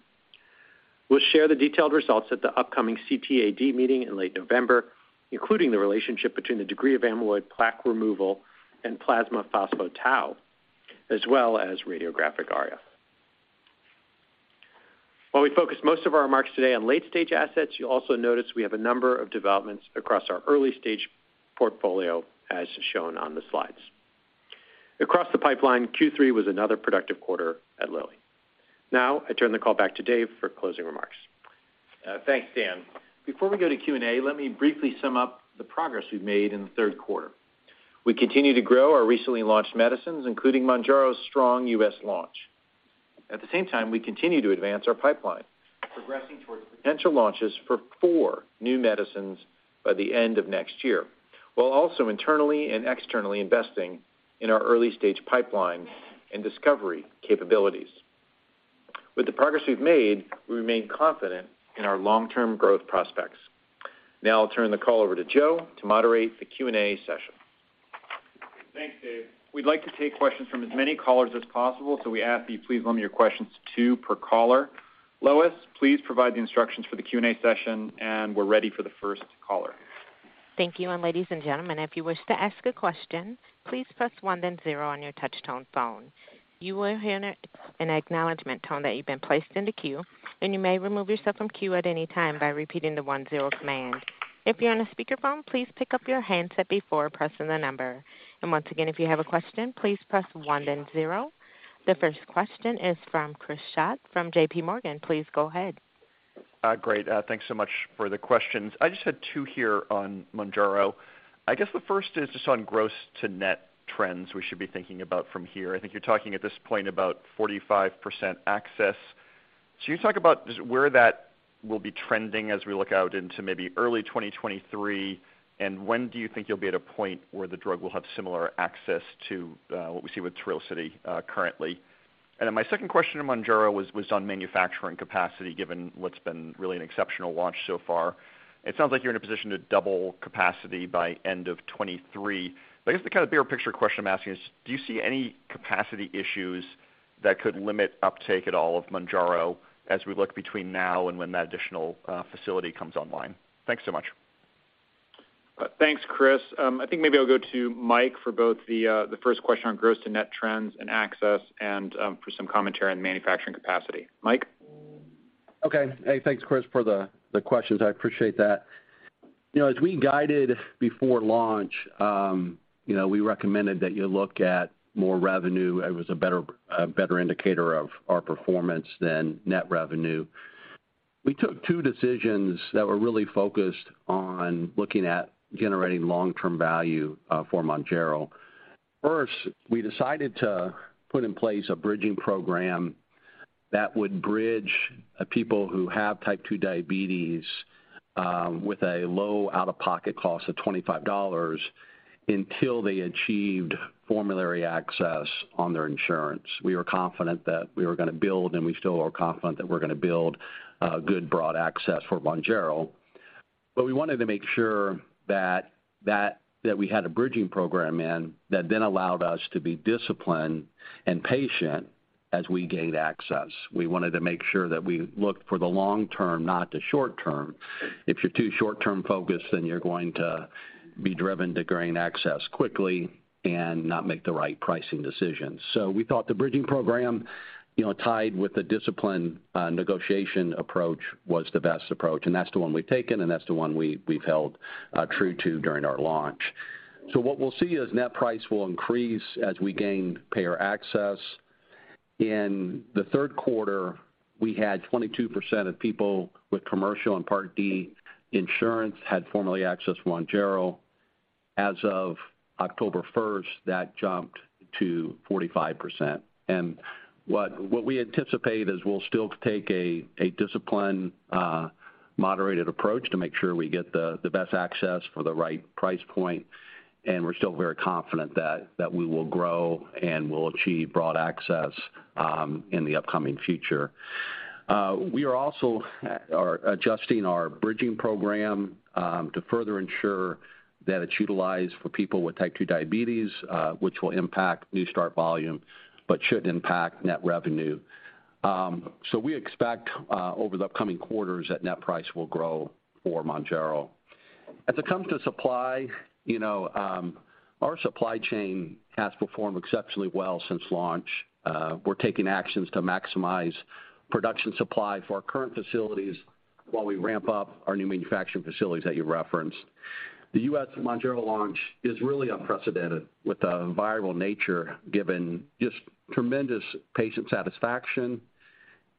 We'll share the detailed results at the upcoming CTAD meeting in late November, including the relationship between the degree of amyloid plaque removal and plasma phospho-tau, as well as radiographic ARIA. While we focus most of our remarks today on late-stage assets, you'll also notice we have a number of developments across our early-stage portfolio as shown on the slides. Across the pipeline, Q3 was another productive quarter at Lilly. Now I turn the call back to Dave for closing remarks. Thanks, Dan. Before we go to Q&A, let me briefly sum up the progress we've made in the third quarter. We continue to grow our recently launched medicines, including Mounjaro's strong U.S. launch. At the same time, we continue to advance our pipeline, progressing towards potential launches for four new medicines by the end of next year, while also internally and externally investing in our early-stage pipeline and discovery capabilities. With the progress we've made, we remain confident in our long-term growth prospects. Now I'll turn the call over to Joe to moderate the Q&A session. Thanks, Dave. We'd like to take questions from as many callers as possible, so we ask that you please limit your questions to two per caller. Lois, please provide the instructions for the Q&A session, and we're ready for the first caller. Thank you. Ladies and gentlemen, if you wish to ask a question, please press one then zero on your touch-tone phone. You will hear an acknowledgment tone that you've been placed in the queue, and you may remove yourself from queue at any time by repeating the one-zero command. If you're on a speakerphone, please pick up your handset before pressing the number. Once again, if you have a question, please press one then zero. The first question is from Chris Schott from JPMorgan. Please go ahead. Great. Thanks so much for the questions. I just had two here on Mounjaro. I guess the first is just on gross to net trends we should be thinking about from here. I think you're talking at this point about 45% access. So can you talk about just where that will be trending as we look out into maybe early 2023? When do you think you'll be at a point where the drug will have similar access to what we see with Trulicity currently? Then my second question on Mounjaro was on manufacturing capacity, given what's been really an exceptional launch so far. It sounds like you're in a position to double capacity by end of 2023. I guess the kind of bigger picture question I'm asking is, do you see any capacity issues that could limit uptake of Mounjaro at all as we look between now and when that additional facility comes online? Thanks so much. Thanks, Chris. I think maybe I'll go to Mike for both the first question on gross to net trends and access and, for some commentary on manufacturing capacity. Mike? Okay. Hey, thanks, Chris, for the questions. I appreciate that. You know, as we guided before launch, you know, we recommended that you look at gross revenue. It was a better indicator of our performance than net revenue. We took two decisions that were really focused on looking at generating long-term value for Mounjaro. First, we decided to put in place a bridging program that would bridge people who have type 2 diabetes with a low out-of-pocket cost of $25 until they achieved formulary access on their insurance. We were confident that we were gonna build, and we still are confident that we're gonna build a good broad access for Mounjaro. We wanted to make sure that we had a bridging program in place that then allowed us to be disciplined and patient as we gained access. We wanted to make sure that we looked for the long term, not the short term. If you're too short term-focused, then you're going to be driven to gain access quickly and not make the right pricing decisions. We thought the bridging program, you know, tied with the discipline, negotiation approach was the best approach, and that's the one we've taken, and that's the one we've held true to during our launch. What we'll see is net price will increase as we gain payer access. In the third quarter, we had 22% of people with commercial and Part D insurance had formally accessed Mounjaro. As of October 1, that jumped to 45%. What we anticipate is we'll still take a disciplined moderated approach to make sure we get the best access for the right price point, and we're still very confident that we will grow and we'll achieve broad access in the upcoming future. We are also adjusting our bridging program to further ensure that it's utilized for people with type 2 diabetes, which will impact new start volume, but shouldn't impact net revenue. We expect over the upcoming quarters that net price will grow for Mounjaro. As it comes to supply, you know, our supply chain has performed exceptionally well since launch. We're taking actions to maximize production supply for our current facilities while we ramp up our new manufacturing facilities that you referenced. The U.S. Mounjaro launch is really unprecedented with the viral nature given just tremendous patient satisfaction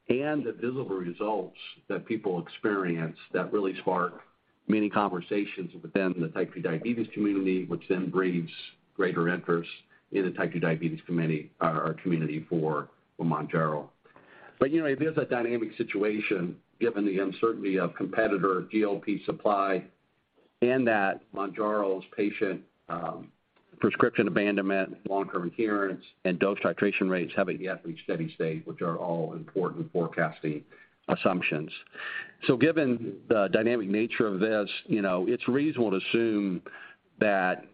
and the visible results that people experience that really spark many conversations within the type 2 diabetes community, which then breeds greater interest in the type 2 diabetes community for Mounjaro. You know, it is a dynamic situation given the uncertainty of competitor GLP supply and that Mounjaro's patient prescription abandonment, long-term adherence, and dose titration rates haven't yet reached steady state, which are all important forecasting assumptions. Given the dynamic nature of this, you know, it's reasonable to assume that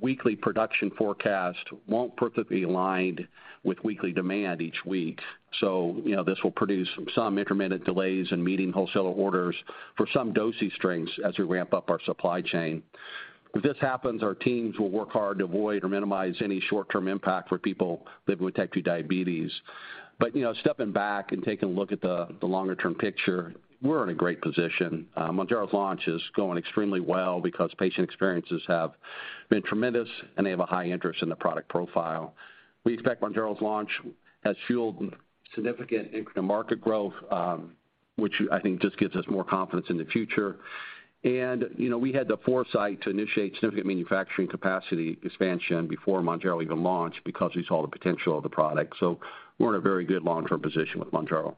weekly production forecast won't perfectly align with weekly demand each week. You know, this will produce some intermittent delays in meeting wholesaler orders for some dosage strengths as we ramp up our supply chain. If this happens, our teams will work hard to avoid or minimize any short-term impact for people living with type 2 diabetes. You know, stepping back and taking a look at the longer-term picture, we're in a great position. Mounjaro's launch is going extremely well because patient experiences have been tremendous, and they have a high interest in the product profile. We expect Mounjaro's launch has fueled significant incremental market growth, which I think just gives us more confidence in the future. You know, we had the foresight to initiate significant manufacturing capacity expansion before Mounjaro even launched because we saw the potential of the product. We're in a very good long-term position with Mounjaro.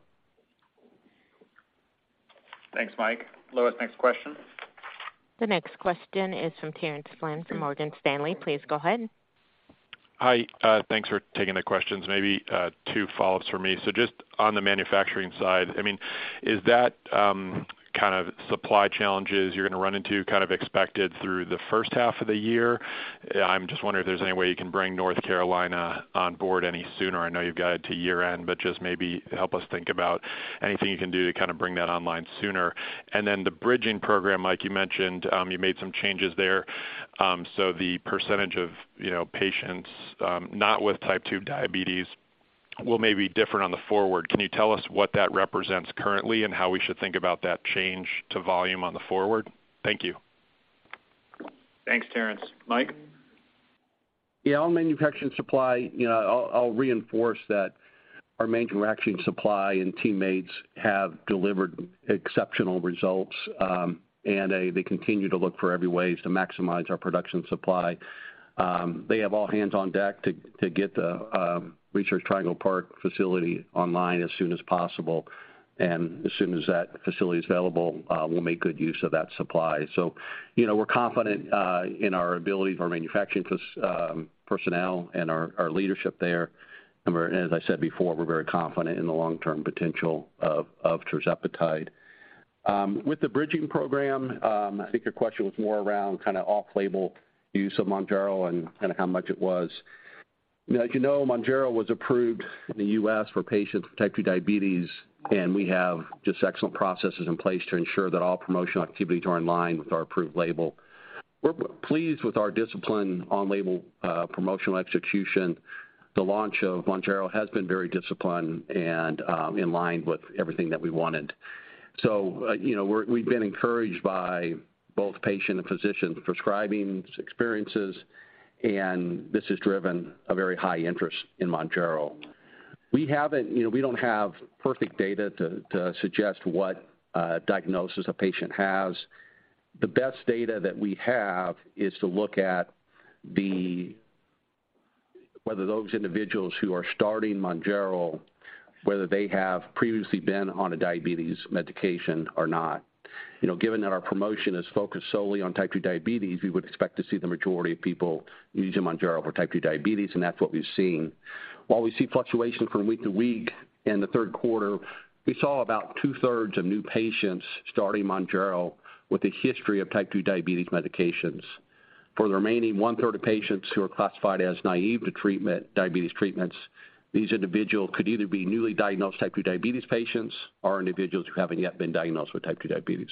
Thanks, Mike. Lois, next question. The next question is from Terence Flynn from Morgan Stanley. Please go ahead. Hi. Thanks for taking the questions. Maybe follow-ups for me. Just on the manufacturing side, I mean, is that kind of supply challenges you're gonna run into kind of expected through the first half of the year? I'm just wondering if there's any way you can bring North Carolina on board any sooner. I know you've got it to year-end, but just maybe help us think about anything you can do to kind of bring that online sooner. Then the bridging program, Mike, you mentioned, you made some changes there. So the percentage of, you know, patients not with type 2 diabetes will be different going forward. Can you tell us what that represents currently and how we should think about that change to volume going forward? Thank you. Thanks, Terence. Mike? Yeah. On manufacturing supply, you know, I'll reinforce that our manufacturing supply and teammates have delivered exceptional results, and they continue to look for every way to maximize our production supply. They have all hands on deck to get the Research Triangle Park facility online as soon as possible. As soon as that facility is available, we'll make good use of that supply. You know, we're confident in our ability of our manufacturing personnel and our leadership there. We're very confident in the long-term potential of tirzepatide. With the bridging program, I think your question was more around kind of off-label use of Mounjaro and how much it was. As you know, Mounjaro was approved in the U.S. for patients with type two diabetes, and we have just excellent processes in place to ensure that all promotional activities are in line with our approved label. We're pleased with our discipline on label, promotional execution. The launch of Mounjaro has been very disciplined and, in line with everything that we wanted. You know, we've been encouraged by both patient and physician prescribing experiences, and this has driven a very high interest in Mounjaro. We haven't, we don't have perfect data to suggest what diagnosis a patient has. The best data that we have is to look at the whether those individuals who are starting Mounjaro, whether they have previously been on a diabetes medication or not. You know, given that our promotion is focused solely on type 2 diabetes, we would expect to see the majority of people using Mounjaro for type 2 diabetes, and that's what we've seen. While we see fluctuation from week to week, in the third quarter, we saw about 2/3 of new patients starting Mounjaro with a history of type 2 diabetes medications. For the remaining 1/3 of patients who are classified as naive to treatment, diabetes treatments, these individuals could either be newly diagnosed type 2 diabetes patients or individuals who haven't yet been diagnosed with type 2 diabetes.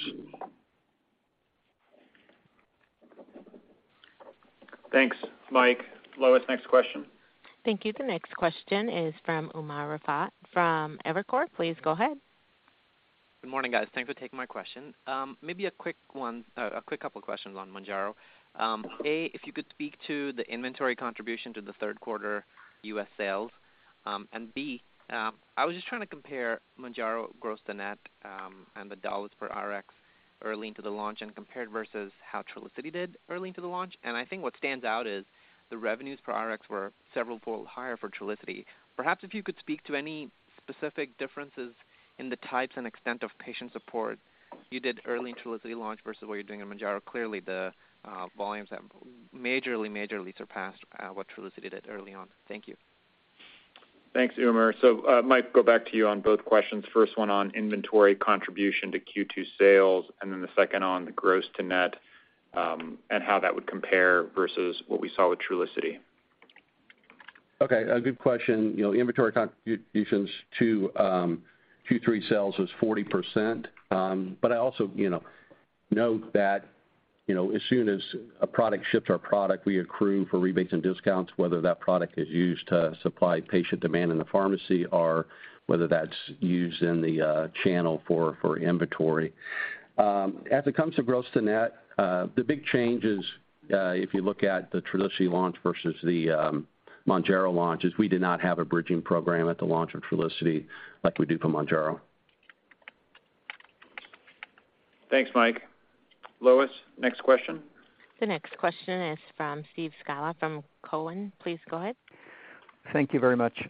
Thanks, Mike. Lois, next question. Thank you. The next question is from Umer Raffat from Evercore. Please go ahead. Good morning, guys. Thanks for taking my question. A quick couple of questions on Mounjaro. A, if you could speak to the inventory contribution to the third quarter U.S. sales. B, I was just trying to compare Mounjaro gross to net, and the dollars per Rx early into the launch and compared versus how Trulicity did early into the launch. I think what stands out is the revenues per Rx were several fold higher for Trulicity. Perhaps if you could speak to any specific differences in the types and extent of patient support you did early in Trulicity launch versus what you're doing in Mounjaro. Clearly, the volumes have majorly surpassed what Trulicity did early on. Thank you. Thanks, Umer. Mike, go back to you on both questions. First one on inventory contribution to Q2 sales, and then the second on the gross to net, and how that would compare versus what we saw with Trulicity. Okay, a good question. You know, inventory contributions to Q3 sales was 40%. I also, you know, note that, you know, as soon as a product ships our product, we accrue for rebates and discounts, whether that product is used to supply patient demand in the pharmacy or whether that's used in the channel for inventory. As it comes to gross to net, the big change is, if you look at the Trulicity launch versus the Mounjaro launch, is we did not have a bridging program at the launch of Trulicity like we do for Mounjaro. Thanks, Mike. Lois, next question. The next question is from Steve Scala from Cowen. Please go ahead. Thank you very much.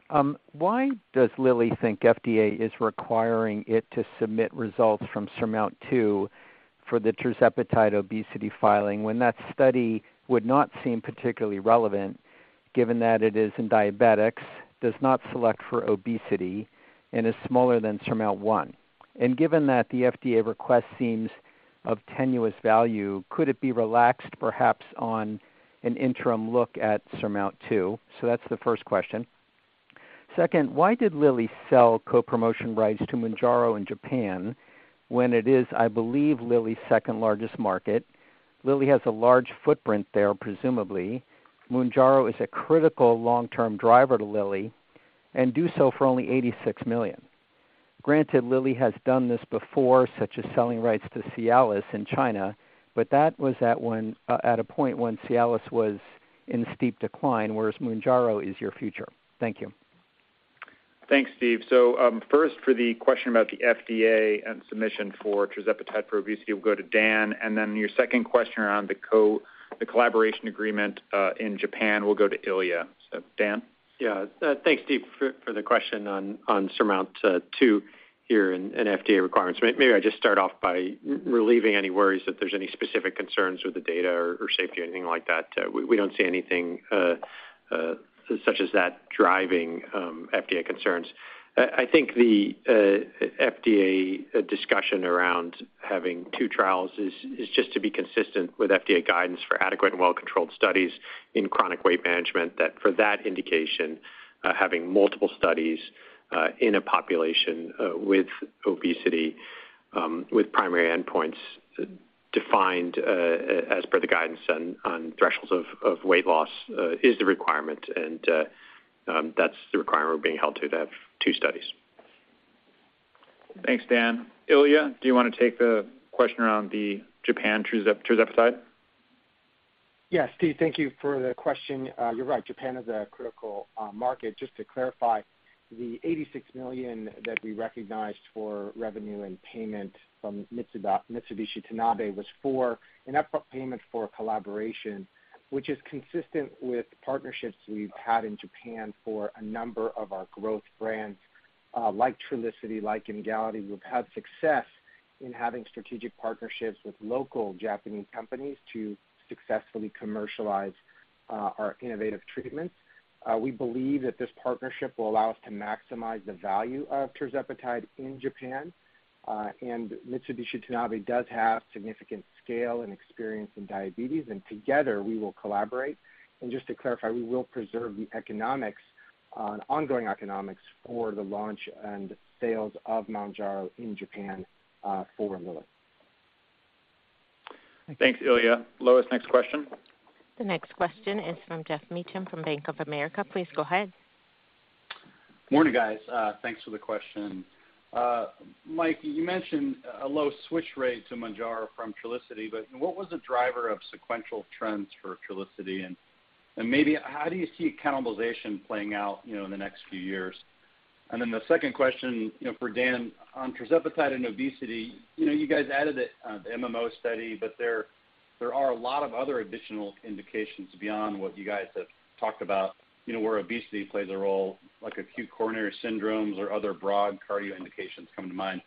Why does Lilly think FDA is requiring it to submit results from SURMOUNT-2 for the tirzepatide obesity filing, when that study would not seem particularly relevant given that it is in diabetics, does not select for obesity, and is smaller than SURMOUNT-1? Given that the FDA request seems of tenuous value, could it be relaxed perhaps on an interim look at SURMOUNT-2? That's the first question. Second, why did Lilly sell co-promotion rights to Mounjaro in Japan when it is, I believe, Lilly's second largest market? Lilly has a large footprint there, presumably. Mounjaro is a critical long-term driver to Lilly and do so for only $86 million. Granted, Lilly has done this before, such as selling rights to Cialis in China, but that was at a point when Cialis was in steep decline, whereas Mounjaro is your future. Thank you. Thanks, Steve. First, for the question about the FDA and submission for tirzepatide for obesity, we'll go to Dan, and then your second question around the collaboration agreement in Japan will go to Ilya. Dan. Yeah. Thanks, Steve, for the question on SURMOUNT-2 here and FDA requirements. Maybe I just start off by relieving any worries that there's any specific concerns with the data or safety or anything like that. We don't see anything such as that driving FDA concerns. I think the FDA discussion around having two trials is just to be consistent with FDA guidance for adequate and well-controlled studies in chronic weight management. That for that indication, having multiple studies in a population with obesity, with primary endpoints defined as per the guidance on thresholds of weight loss, is the requirement. That's the requirement we're being held to have two studies. Thanks, Dan. Ilya, do you wanna take the question around the Japan tirzepatide? Yeah. Steve, thank you for the question. You're right, Japan is a critical market. Just to clarify, the $86 million that we recognized for revenue and payment from Mitsubishi Tanabe Pharma was for an upfront payment for a collaboration, which is consistent with partnerships we've had in Japan for a number of our growth brands, like Trulicity, like Humalog. We've had success in. Having strategic partnerships with local Japanese companies to successfully commercialize our innovative treatments. We believe that this partnership will allow us to maximize the value of tirzepatide in Japan. Mitsubishi Tanabe does have significant scale and experience in diabetes, and together we will collaborate. Just to clarify, we will preserve the economics, ongoing economics for the launch and sales of Mounjaro in Japan, forward. Thanks, Ilya. Lois, next question. The next question is from Geoff Meacham from Bank of America. Please go ahead. Morning, guys. Thanks for the question. Mike, you mentioned a low switch rate to Mounjaro from Trulicity, but what was the driver of sequential trends for Trulicity? And maybe how do you see cannibalization playing out, you know, in the next few years? Then the second question, you know, for Dan, on tirzepatide and obesity, you know, you guys added it on the MMO study, but there are a lot of other additional indications beyond what you guys have talked about, you know, where obesity plays a role, like acute coronary syndromes or other broad cardio indications come to mind.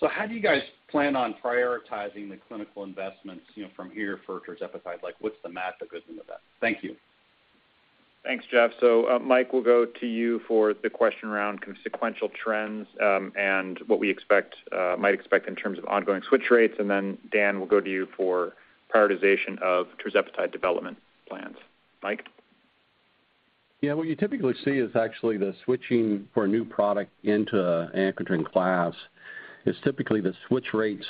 So how do you guys plan on prioritizing the clinical investments, you know, from here for tirzepatide? Like, what's the math that goes into that? Thank you. Thanks, Jeff. Mike, we'll go to you for the question around consequential trends and what we might expect in terms of ongoing switch rates. Then Dan, we'll go to you for prioritization of tirzepatide development plans. Mike? Yeah, what you typically see is actually the switching for a new product into an incretin class is typically the switch rates,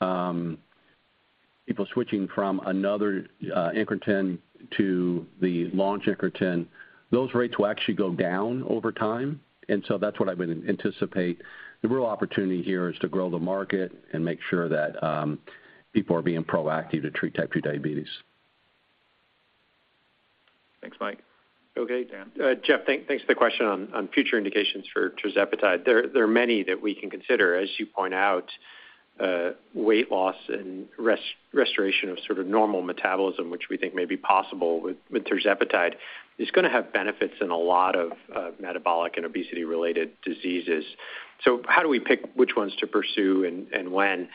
people switching from another, incretin to the launch incretin. Those rates will actually go down over time. That's what I would anticipate. The real opportunity here is to grow the market and make sure that, people are being proactive to treat type 2 diabetes. Thanks, Mike. Okay. Dan? Geoff, thanks for the question on future indications for tirzepatide. There are many that we can consider. As you point out, weight loss and restoration of sort of normal metabolism, which we think may be possible with tirzepatide, is gonna have benefits in a lot of metabolic and obesity-related diseases. How do we pick which ones to pursue and when?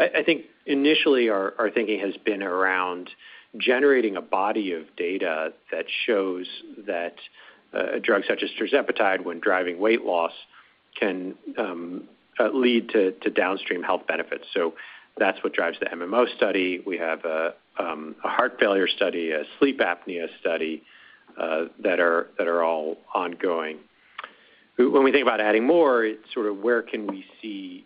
I think initially our thinking has been around generating a body of data that shows that a drug such as tirzepatide when driving weight loss can lead to downstream health benefits. That's what drives the MMO study. We have a heart failure study, a sleep apnea study, that are all ongoing. When we think about adding more, it's sort of where can we see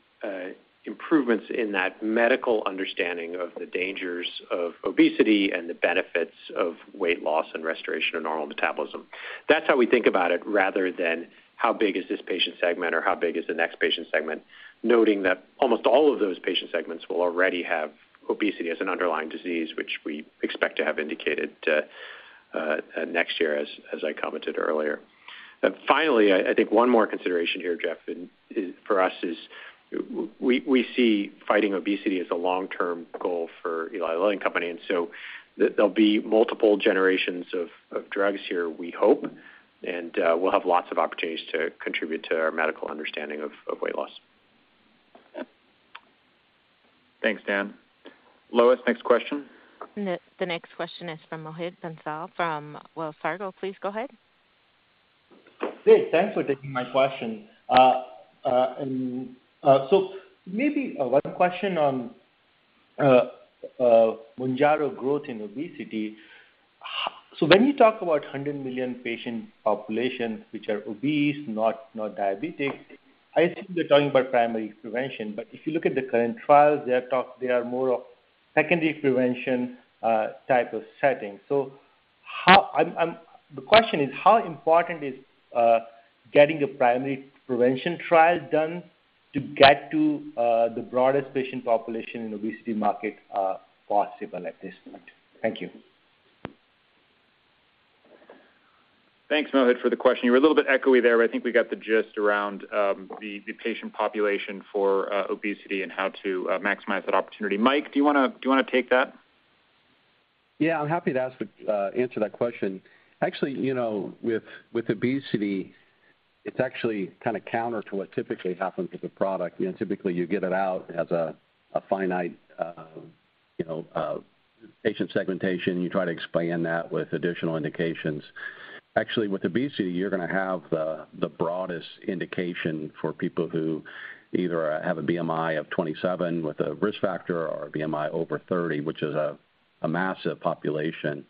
improvements in that medical understanding of the dangers of obesity and the benefits of weight loss and restoration of normal metabolism. That's how we think about it rather than how big is this patient segment or how big is the next patient segment, noting that almost all of those patient segments will already have obesity as an underlying disease, which we expect to have indicated next year as I commented earlier. Finally, I think one more consideration here, Geoff, and one is for us, we see fighting obesity as a long-term goal for Eli Lilly and Company, and so there'll be multiple generations of drugs here, we hope, and we'll have lots of opportunities to contribute to our medical understanding of weight loss. Thanks, Dan. Lois, next question. The next question is from Mohit Bansal from Wells Fargo. Please go ahead. Great. Thanks for taking my question. Maybe one question on Mounjaro growth in obesity. When you talk about 100 million patient population which are obese, not diabetic, I assume you're talking about primary prevention. If you look at the current trials, they are more of secondary prevention type of setting. The question is, how important is getting a primary prevention trial done to get to the broadest patient population in obesity market possible at this point? Thank you. Thanks, Mohit, for the question. You were a little bit echoey there, but I think we got the gist around the patient population for obesity and how to maximize that opportunity. Mike, do you wanna take that? Yeah, I'm happy to answer that question. Actually, you know, with obesity, it's actually kind of counter to what typically happens with a product. You know, typically you get it out, it has a finite, you know, patient segmentation. You try to expand that with additional indications. Actually, with obesity, you're gonna have the broadest indication for people who either have a BMI of 27 with a risk factor or a BMI over 30, which is a massive population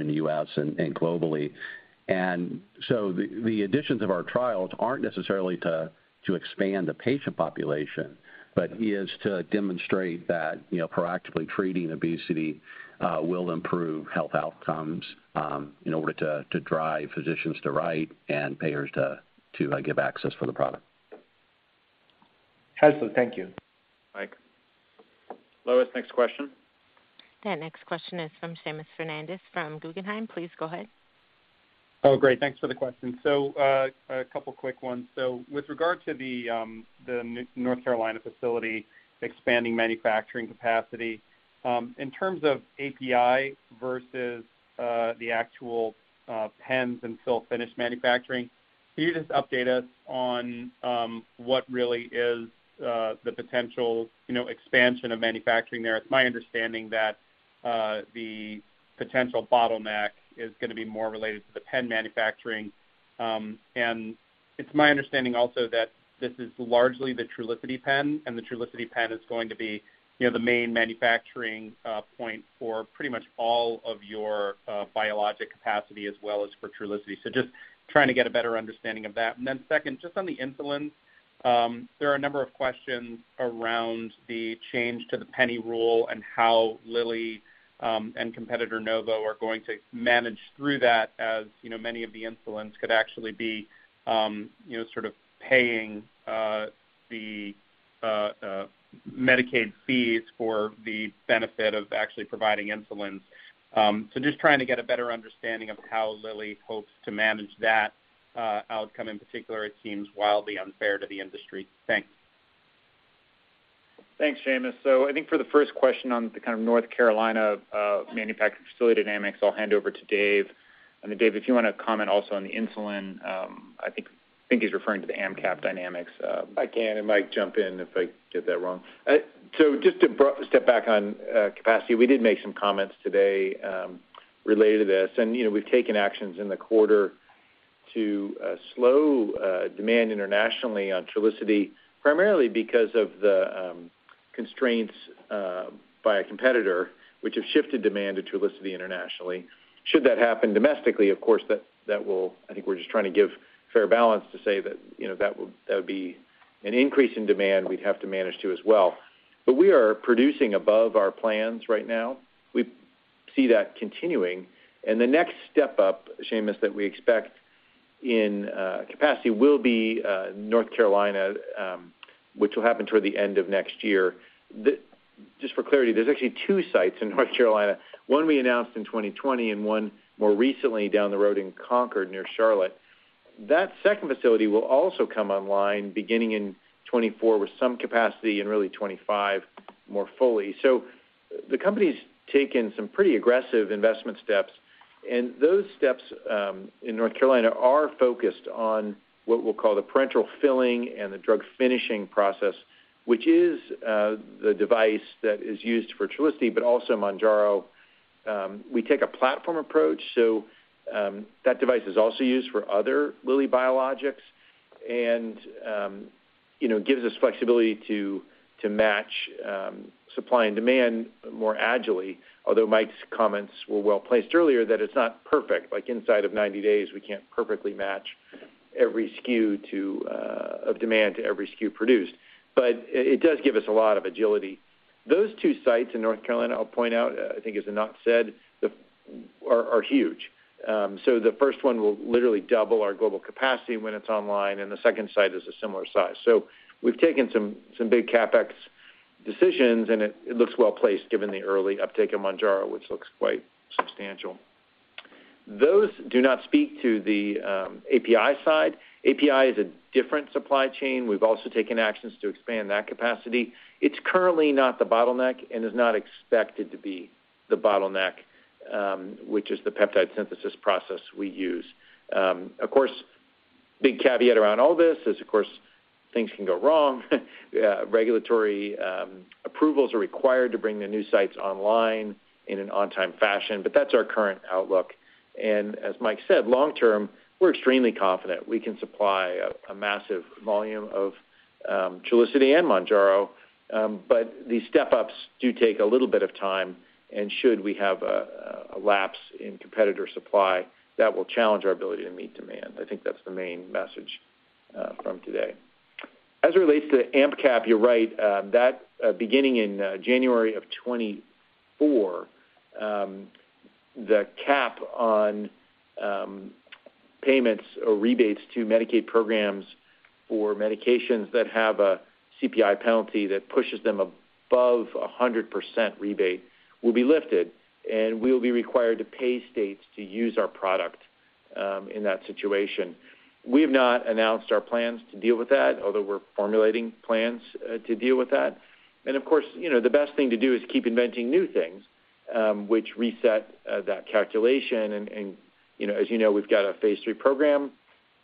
in the U.S. and globally. The additions of our trials aren't necessarily to expand the patient population, but is to demonstrate that, you know, proactively treating obesity will improve health outcomes in order to drive physicians to write and payers to give access for the product. Excellent. Thank you. Mike. Lois, next question. The next question is from Seamus Fernandez from Guggenheim. Please go ahead. Oh, great. Thanks for the question. A couple quick ones. With regard to the North Carolina facility expanding manufacturing capacity, in terms of API versus the actual pens and fill finish manufacturing, can you just update us on what really is the potential, you know, expansion of manufacturing there? It's my understanding that the potential bottleneck is going to be more related to the pen manufacturing. It's my understanding also that this is largely the Trulicity pen, and the Trulicity pen is going to be, you know, the main manufacturing point for pretty much all of your biologic capacity as well as for Trulicity. Just trying to get a better understanding of that. Then second, just on the insulin, there are a number of questions around the change to the penny rule and how Lilly and competitor Novo are going to manage through that. As you know, many of the insulins could actually be, you know, sort of paying the Medicaid fees for the benefit of actually providing insulin. So just trying to get a better understanding of how Lilly hopes to manage that outcome in particular. It seems wildly unfair to the industry. Thanks. Thanks, Seamus. I think for the first question on the kind of North Carolina manufacturing facility dynamics, I'll hand over to Dave. Dave, if you want to comment also on the insulin, I think he's referring to the AMP cap dynamics. I can, and Mike, jump in if I get that wrong. So just to step back on capacity, we did make some comments today related to this. You know, we've taken actions in the quarter to slow demand internationally on Trulicity, primarily because of the constraints by a competitor, which have shifted demand to Trulicity internationally. Should that happen domestically, of course, that will. I think we're just trying to give fair balance to say that, you know, that would be an increase in demand we'd have to manage to as well. But we are producing above our plans right now. We see that continuing. The next step up, Seamus, that we expect in capacity will be North Carolina, which will happen toward the end of next year. Just for clarity, there's actually two sites in North Carolina, one we announced in 2020 and one more recently down the road in Concord, near Charlotte. That second facility will also come online beginning in 2024, with some capacity in really 2025 more fully. The company's taken some pretty aggressive investment steps, and those steps in North Carolina are focused on what we'll call the parenteral filling and the drug finishing process, which is the device that is used for Trulicity, but also Mounjaro. We take a platform approach. That device is also used for other Lilly biologics and you know, gives us flexibility to match supply and demand more agilely. Although Mike's comments were well placed earlier that it's not perfect. Like inside of 90 days, we can't perfectly match every SKU to the demand to every SKU produced. It does give us a lot of agility. Those two sites in North Carolina, I'll point out, I think as Anat said, are huge. The first one will literally double our global capacity when it's online, and the second site is a similar size. We've taken some big CapEx decisions, and it looks well placed given the early uptake of Mounjaro, which looks quite substantial. Those do not speak to the API side. API is a different supply chain. We've also taken actions to expand that capacity. It's currently not the bottleneck and is not expected to be the bottleneck, which is the peptide synthesis process we use. Of course, big caveat around all this is, of course, things can go wrong. Regulatory approvals are required to bring the new sites online in an on-time fashion, but that's our current outlook. As Mike said, long term, we're extremely confident we can supply a massive volume of Trulicity and Mounjaro. But these step ups do take a little bit of time, and should we have a lapse in competitor supply, that will challenge our ability to meet demand. I think that's the main message from today. As it relates to AMP cap, you're right. That beginning in January of 2024, the cap on payments or rebates to Medicaid programs for medications that have a CPI penalty that pushes them above 100% rebate will be lifted, and we will be required to pay states to use our product in that situation. We have not announced our plans to deal with that, although we're formulating plans to deal with that. Of course, you know, the best thing to do is keep inventing new things, which reset that calculation. You know, as you know, we've got a phase III program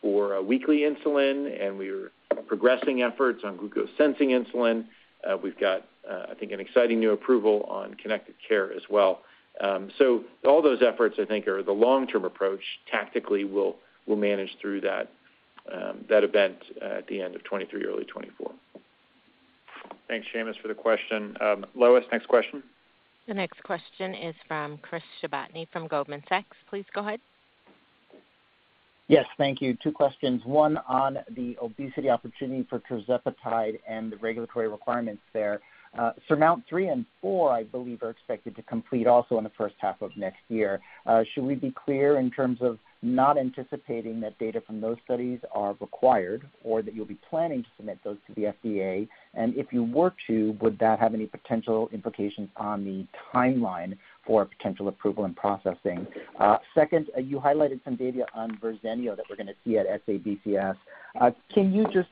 for a weekly insulin, and we are progressing efforts on glucose sensing insulin. We've got, I think an exciting new approval on connected care as well. All those efforts, I think, are the long-term approach. Tactically we'll manage through that event at the end of 2023, early 2024. Thanks, Seamus, for the question. Lois, next question. The next question is from Chris Shibutani from Goldman Sachs. Please go ahead. Yes, thank you. Two questions. One on the obesity opportunity for tirzepatide and the regulatory requirements there. SURMOUNT-3 and 4, I believe, are expected to complete also in the first half of next year. Should we be clear in terms of not anticipating that data from those studies are required or that you'll be planning to submit those to the FDA? And if you were to, would that have any potential implications on the timeline for potential approval and processing? Second, you highlighted some data on Verzenio that we're going to see at SABCS. Can you just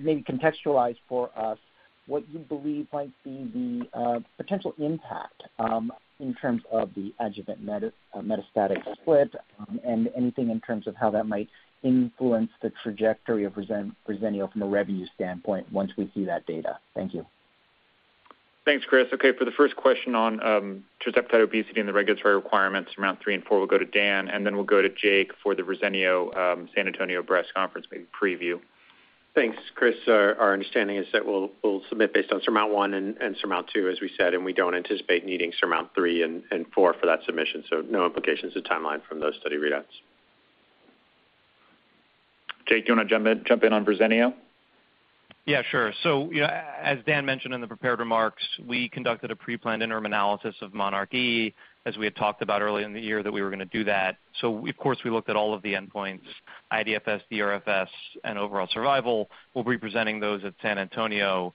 maybe contextualize for us what you believe might be the potential impact in terms of the adjuvant metastatic split, and anything in terms of how that might influence the trajectory of Verzenio from a revenue standpoint once we see that data? Thank you. Thanks, Chris. Okay. For the first question on tirzepatide obesity and the regulatory requirements, SURMOUNT-3 and SURMOUNT-4 will go to Dan, and then we'll go to Jake for the Verzenio San Antonio Breast Cancer Symposium preview. Thanks, Chris. Our understanding is that we'll submit based on SURMOUNT-1 and SURMOUNT-2, as we said, and we don't anticipate needing SURMOUNT-3 and SURMOUNT-4 for that submission, so no implications to timeline from those study readouts. Jake, do you wanna jump in on Verzenio? Yeah, sure. As Dan mentioned in the prepared remarks, we conducted a preplanned interim analysis of monarchE, as we had talked about earlier in the year that we were gonna do that. Of course, we looked at all of the endpoints, IDFS, DRFS, and overall survival. We'll be presenting those at San Antonio.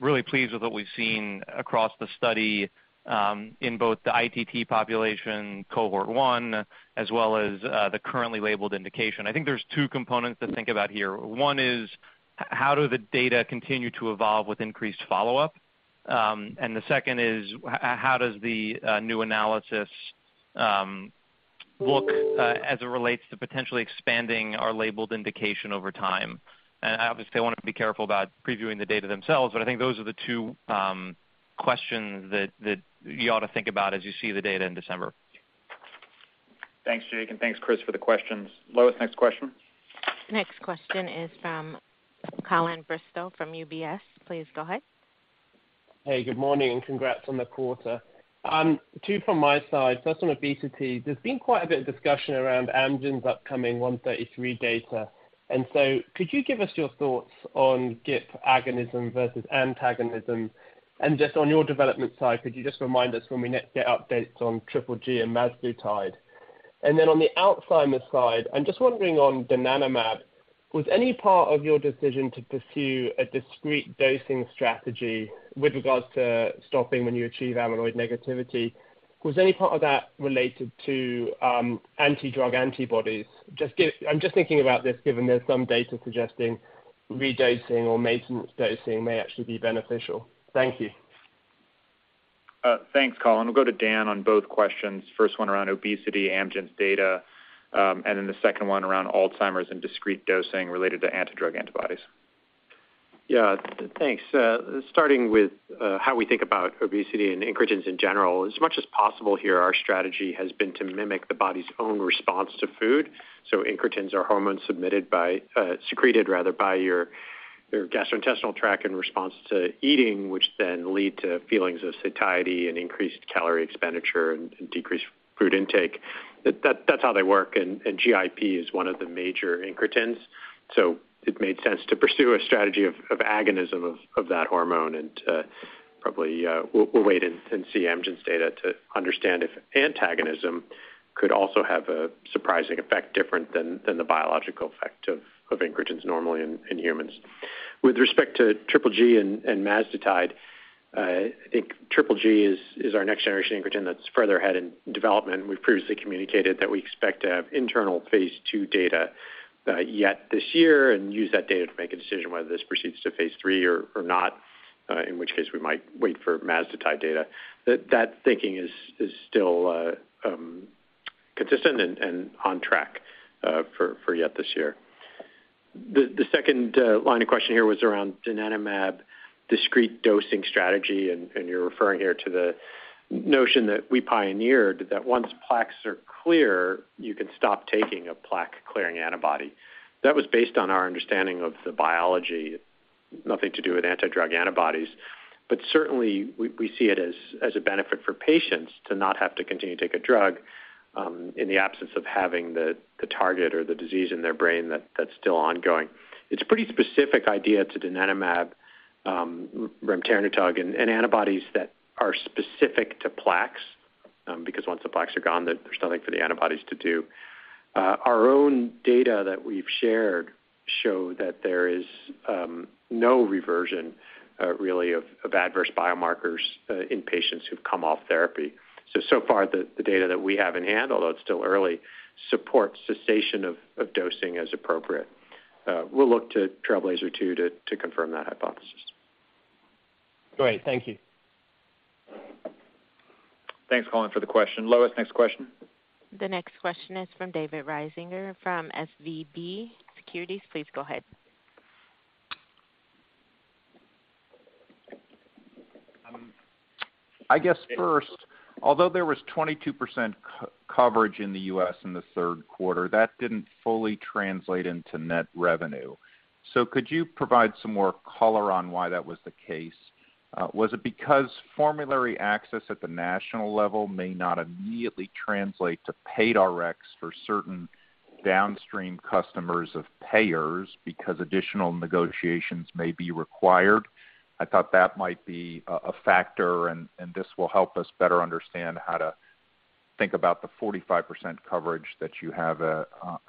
Really pleased with what we've seen across the study in both the ITT population cohort one, as well as the currently labeled indication. I think there's two components to think about here. One is, how do the data continue to evolve with increased follow-up? The second is how does the new analysis look as it relates to potentially expanding our labeled indication over time? Obviously, I wanna be careful about previewing the data themselves, but I think those are the two questions that you ought to think about as you see the data in December. Thanks, Jake. Thanks, Chris, for the questions. Lois, next question. Next question is from Colin Bristow from UBS. Please go ahead. Hey, good morning and congrats on the quarter. Two from my side. First, on obesity, there's been quite a bit of discussion around Amgen's upcoming AMG 133 data. Could you give us your thoughts on GIP agonism versus antagonism? Just on your development side, could you just remind us when we next get updates on triple G and mazdutide? On the alzheimer's side, I'm just wondering on donanemab, was any part of your decision to pursue a discrete dosing strategy with regards to stopping when you achieve amyloid negativity, was any part of that related to anti-drug antibodies? I'm just thinking about this, given there's some data suggesting redosing or maintenance dosing may actually be beneficial. Thank you. Thanks, Colin. We'll go to Dan on both questions. First one around obesity, Amgen's data, and then the second one around alzheimer's and discrete dosing related to anti-drug antibodies. Thanks. Starting with how we think about obesity and incretins in general. As much as possible here, our strategy has been to mimic the body's own response to food. Incretins are hormones secreted rather by your gastrointestinal tract in response to eating, which then lead to feelings of satiety and increased calorie expenditure and decreased food intake. That's how they work. GIP is one of the major incretins. It made sense to pursue a strategy of agonism of that hormone. Probably we'll wait and see Amgen's data to understand if antagonism could also have a surprising effect different than the biological effect of incretins normally in humans. With respect to triple G and mazdutide, I think triple G is our next generation incretin that's further ahead in development. We've previously communicated that we expect to have internal phase two data yet this year and use that data to make a decision whether this proceeds to phase three or not, in which case we might wait for mazdutide data. That thinking is still consistent and on track for yet this year. The second line of questioning here was around donanemab discrete dosing strategy, and you're referring here to the notion that we pioneered that once plaques are clear, you can stop taking a plaque-clearing antibody. That was based on our understanding of the biology, nothing to do with anti-drug antibodies. Certainly we see it as a benefit for patients to not have to continue to take a drug in the absence of having the target or the disease in their brain that's still ongoing. It's a pretty specific idea to donanemab, remternetug and antibodies that are specific to plaques, because once the plaques are gone, there's nothing for the antibodies to do. Our own data that we've shared show that there is no reversion really of adverse biomarkers in patients who've come off therapy. So far, the data that we have in hand, although it's still early, supports cessation of dosing as appropriate. We'll look to TRAILBLAZER-ALZ 2 to confirm that hypothesis. Great. Thank you. Thanks, Colin, for the question. Lois, next question. The next question is from David Risinger from SVB Securities. Please go ahead. Um- I guess first, although there was 22% coverage in the U.S. in the third quarter, that didn't fully translate into net revenue. Could you provide some more color on why that was the case? Was it because formulary access at the national level may not immediately translate to paid Rx for certain downstream customers of payers because additional negotiations may be required? I thought that might be a factor, and this will help us better understand how to think about the 45% coverage that you have,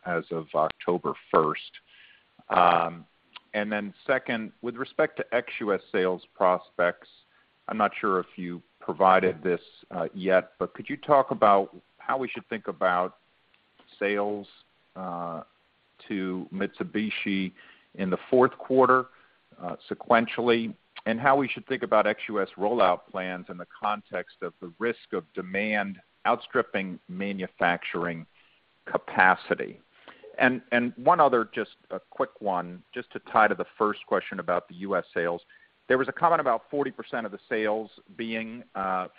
as of October 1. Then second, with respect to ex-U.S. sales prospects, I'm not sure if you provided this yet, but could you talk about how we should think about sales to Mitsubishi in the fourth quarter sequentially, and how we should think about ex-U.S. rollout plans in the context of the risk of demand outstripping manufacturing capacity? One other just a quick one, just to tie to the first question about the U.S. sales. There was a comment about 40% of the sales being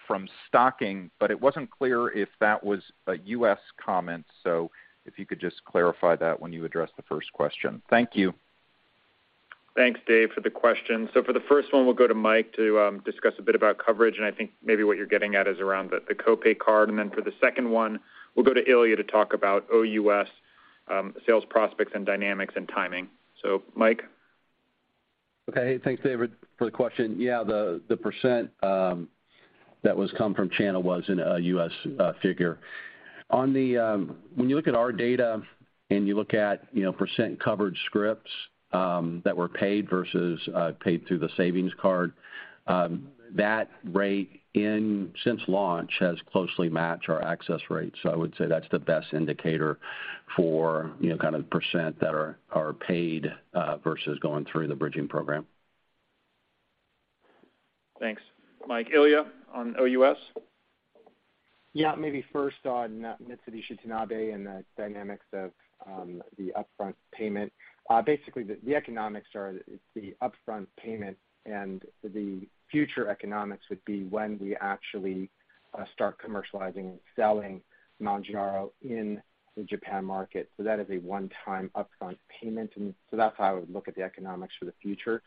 from stocking, but it wasn't clear if that was a U.S. comment. So if you could just clarify that when you address the first question. Thank you. Thanks, Dave, for the question. For the first one, we'll go to Mike to discuss a bit about coverage, and I think maybe what you're getting at is around the co-pay card. Then for the second one, we'll go to Ilya to talk about OUS sales prospects and dynamics and timing. Mike. Okay, thanks, David, for the question. Yeah, the % that was from channel was in a U.S. figure. When you look at our data and you look at, you know, % covered scripts that were paid versus paid through the savings card, that rate since launch has closely matched our access rate. I would say that's the best indicator for, you know, kind of % that are paid versus going through the bridging program. Thanks, Mike. Ilya, on OUS. Yeah, maybe first on that Mitsubishi Tanabe and the dynamics of the upfront payment. Basically, the economics are it's the upfront payment, and the future economics would be when we actually start commercializing and selling Mounjaro in the Japan market. That is a one-time upfront payment, and that's how I would look at the economics for the future.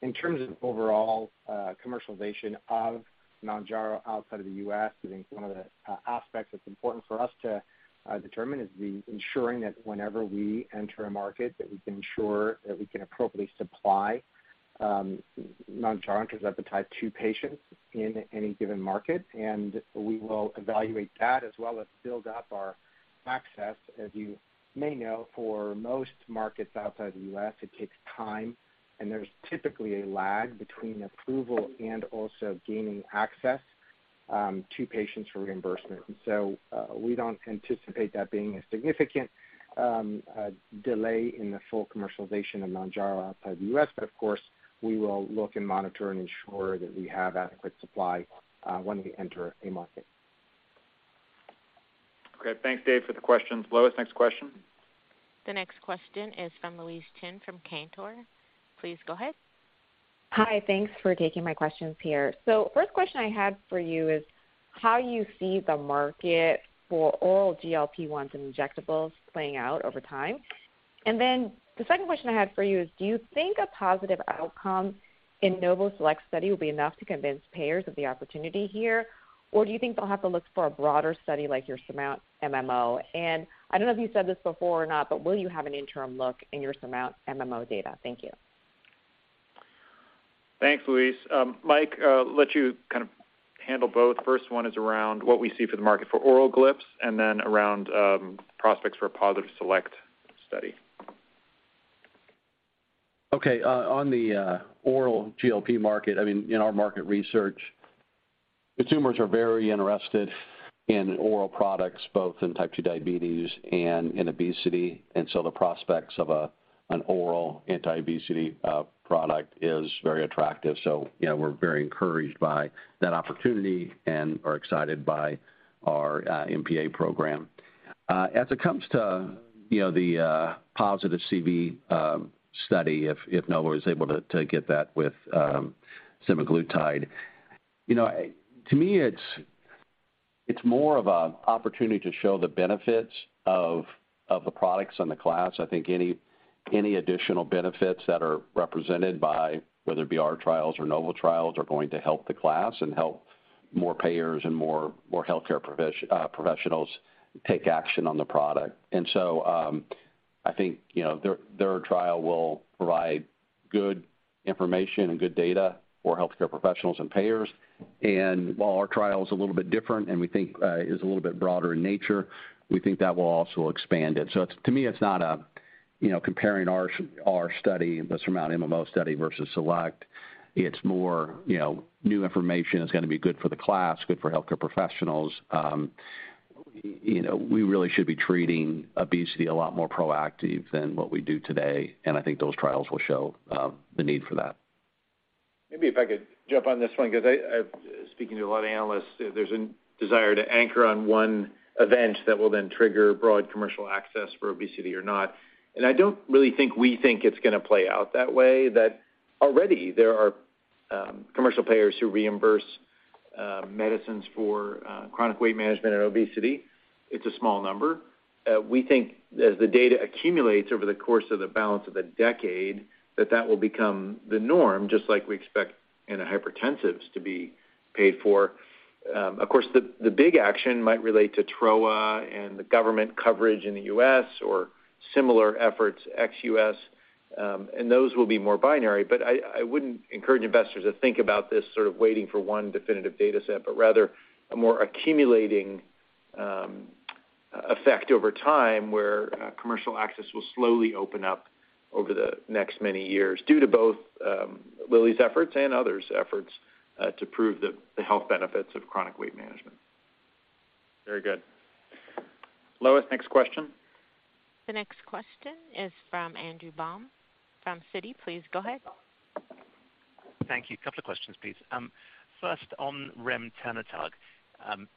In terms of overall commercialization of Mounjaro outside of the U.S., I think one of the aspects that's important for us to determine is ensuring that whenever we enter a market, that we can ensure that we can appropriately supply Mounjaro to the type 2 patients in any given market. We will evaluate that as well as build up our access. As you may know, for most markets outside the U.S., it takes time, and there's typically a lag between approval and also gaining access to patients for reimbursement. We don't anticipate that being a significant delay in the full commercialization of Mounjaro outside the U.S. Of course, we will look and monitor and ensure that we have adequate supply when we enter a market. Okay. Thanks, Dave, for the questions. Lois, next question. The next question is from Louise Chen from Cantor. Please go ahead. Hi. Thanks for taking my questions here. First question I had for you is how you see the market for all GLP-1s and injectables playing out over time. The second question I had for you is do you think a positive outcome in Novo SELECT study will be enough to convince payers of the opportunity here, or do you think they'll have to look for a broader study like your SURMOUNT-MMO? I don't know if you said this before or not, but will you have an interim look in your SURMOUNT-MMO data? Thank you. Thanks, Louise. Mike, I'll let you kind of handle both. First one is around what we see for the market for oral GLPs, and then around prospects for a positive SELECT study. Okay. On the oral GLP market, I mean, in our market research, consumers are very interested in oral products, both in type two diabetes and in obesity. The prospects of an oral anti-obesity product is very attractive. Yeah, we're very encouraged by that opportunity and are excited by our MPA program. As it comes to, you know, the positive CV study, if Novo is able to get that with semaglutide. You know, to me, it's more of an opportunity to show the benefits of the products on the class. I think any additional benefits that are represented by whether it be our trials or Novo trials are going to help the class and help more payers and more healthcare professionals take action on the product. I think, you know, their trial will provide good information and good data for healthcare professionals and payers. While our trial is a little bit different and we think is a little bit broader in nature, we think that will also expand it. To me, it's not, you know, comparing our study, the SURMOUNT-MMO study versus SELECT. It's more, you know, new information is gonna be good for the class, good for healthcare professionals. You know, we really should be treating obesity a lot more proactive than what we do today, and I think those trials will show the need for that. Maybe if I could jump on this one because speaking to a lot of analysts, there's a desire to anchor on one event that will then trigger broad commercial access for obesity or not. I don't really think it's gonna play out that way, that already there are commercial payers who reimburse medicines for chronic weight management and obesity. It's a small number. We think as the data accumulates over the course of the balance of the decade, that that will become the norm, just like we expect antihypertensives to be paid for. Of course, the big action might relate to TROA and the government coverage in the U.S. or similar efforts ex-U.S., and those will be more binary. I wouldn't encourage investors to think about this sort of waiting for one definitive data set, but rather a more accumulating effect over time where commercial access will slowly open up over the next many years due to both Lilly's efforts and others' efforts to prove the health benefits of chronic weight management. Very good. Lois, next question. The next question is from Andrew Baum from Citi. Please go ahead. Thank you. A couple of questions, please. First on Remternetug, on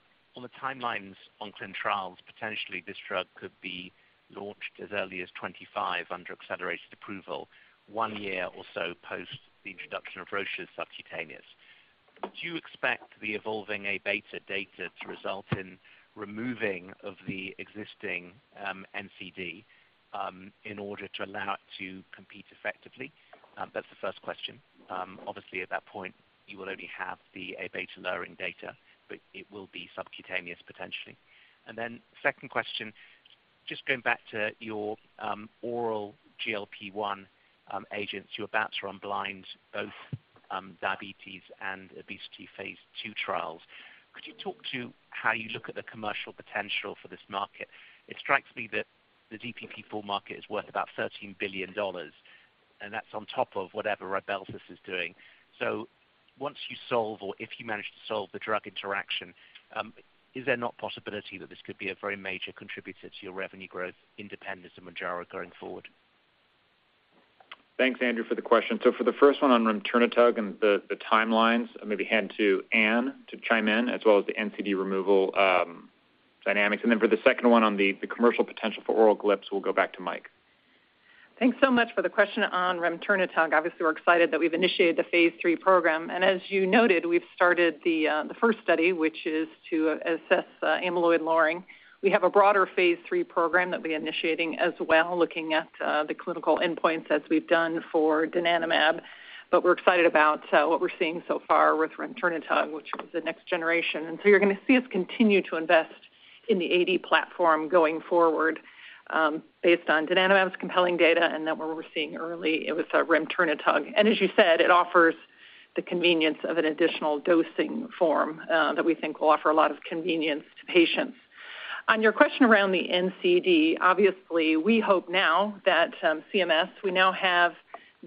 the timelines on clinical trials, potentially this drug could be launched as early as 2025 under accelerated approval, one year or so post the introduction of Roche's subcutaneous. Do you expect the evolving Aβ data to result in removing of the existing NCD, in order to allow it to compete effectively? That's the first question. Obviously at that point, you will only have the Aβ lowering data, but it will be subcutaneous potentially. Then second question, just going back to your oral GLP-1 agents, you're about to run blinded both diabetes and obesity phase II trials. Could you talk to how you look at the commercial potential for this market? It strikes me that the DPP-4 full market is worth about $13 billion, and that's on top of whatever Rybelsus is doing. Once you solve or if you manage to solve the drug interaction, is there not possibility that this could be a very major contributor to your revenue growth independent of Mounjaro going forward? Thanks, Andrew, for the question. For the first one on Remternetug and the timelines, I maybe hand to Anne to chime in as well as the NCD removal dynamics. For the second one on the commercial potential for oral GLP, we'll go back to Mike. Thanks so much for the question on remternetug. Obviously, we're excited that we've initiated the phase III program. As you noted, we've started the first study, which is to assess amyloid lowering. We have a broader phase III program that we're initiating as well, looking at the clinical endpoints as we've done for donanemab, but we're excited about what we're seeing so far with remternetug, which is the next generation. You're gonna see us continue to invest in the AD platform going forward, based on donanemab's compelling data and then what we're seeing early with remternetug. As you said, it offers the convenience of an additional dosing form that we think will offer a lot of convenience to patients. On your question around the NCD, obviously we hope now that CMS, we now have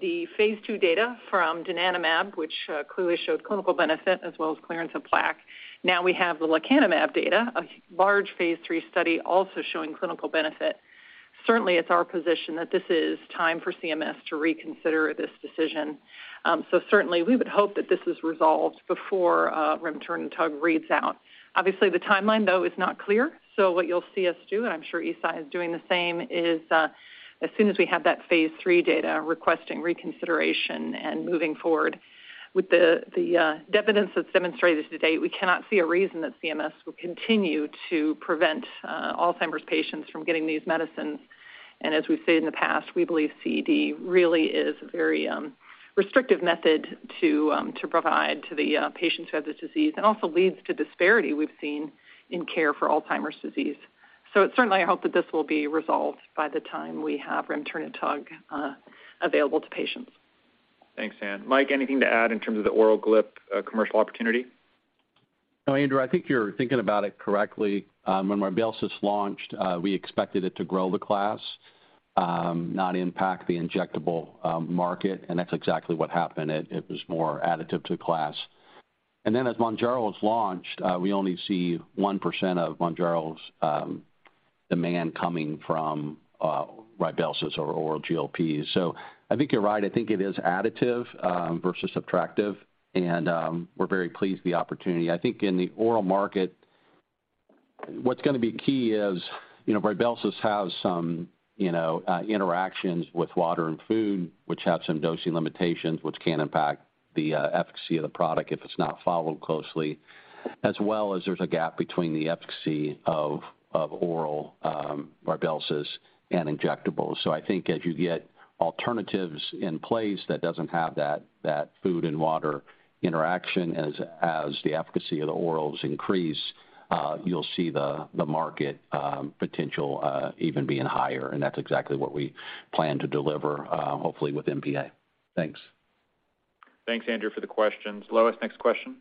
the phase II data from donanemab, which clearly showed clinical benefit as well as clearance of plaque. Now we have the lecanemab data, a large phase III study also showing clinical benefit. Certainly, it's our position that this is time for CMS to reconsider this decision. Certainly we would hope that this is resolved before remternetug reads out. Obviously, the timeline though is not clear, so what you'll see us do, and I'm sure Eisai is doing the same, is as soon as we have that phase III data requesting reconsideration and moving forward. With the evidence that's demonstrated to date, we cannot see a reason that CMS will continue to prevent alzheimer's patients from getting these medicines. As we've said in the past, we believe CED really is a very restrictive method to provide to the patients who have the disease and also leads to disparity we've seen in care for alzheimer's disease. Certainly I hope that this will be resolved by the time we have remternetug available to patients. Thanks, Anne. Mike, anything to add in terms of the oral GLP, commercial opportunity? No, Andrew, I think you're thinking about it correctly. When Rybelsus launched, we expected it to grow the class, not impact the injectable market, and that's exactly what happened. It was more additive to the class. Then as Mounjaro was launched, we only see 1% of Mounjaro's demand coming from Rybelsus or oral GLPs. I think you're right, I think it is additive versus subtractive, and we're very pleased with the opportunity. I think in the oral market, what's gonna be key is, you know, Rybelsus has some, you know, interactions with water and food, which have some dosing limitations, which can impact the efficacy of the product if it's not followed closely, as well as there's a gap between the efficacy of oral Rybelsus and injectables. I think as you get alternatives in place that doesn't have that food and water interaction, as the efficacy of the orals increase, you'll see the market potential even being higher, and that's exactly what we plan to deliver, hopefully with orforglipron. Thanks. Thanks, Andrew, for the questions. Lois, next question.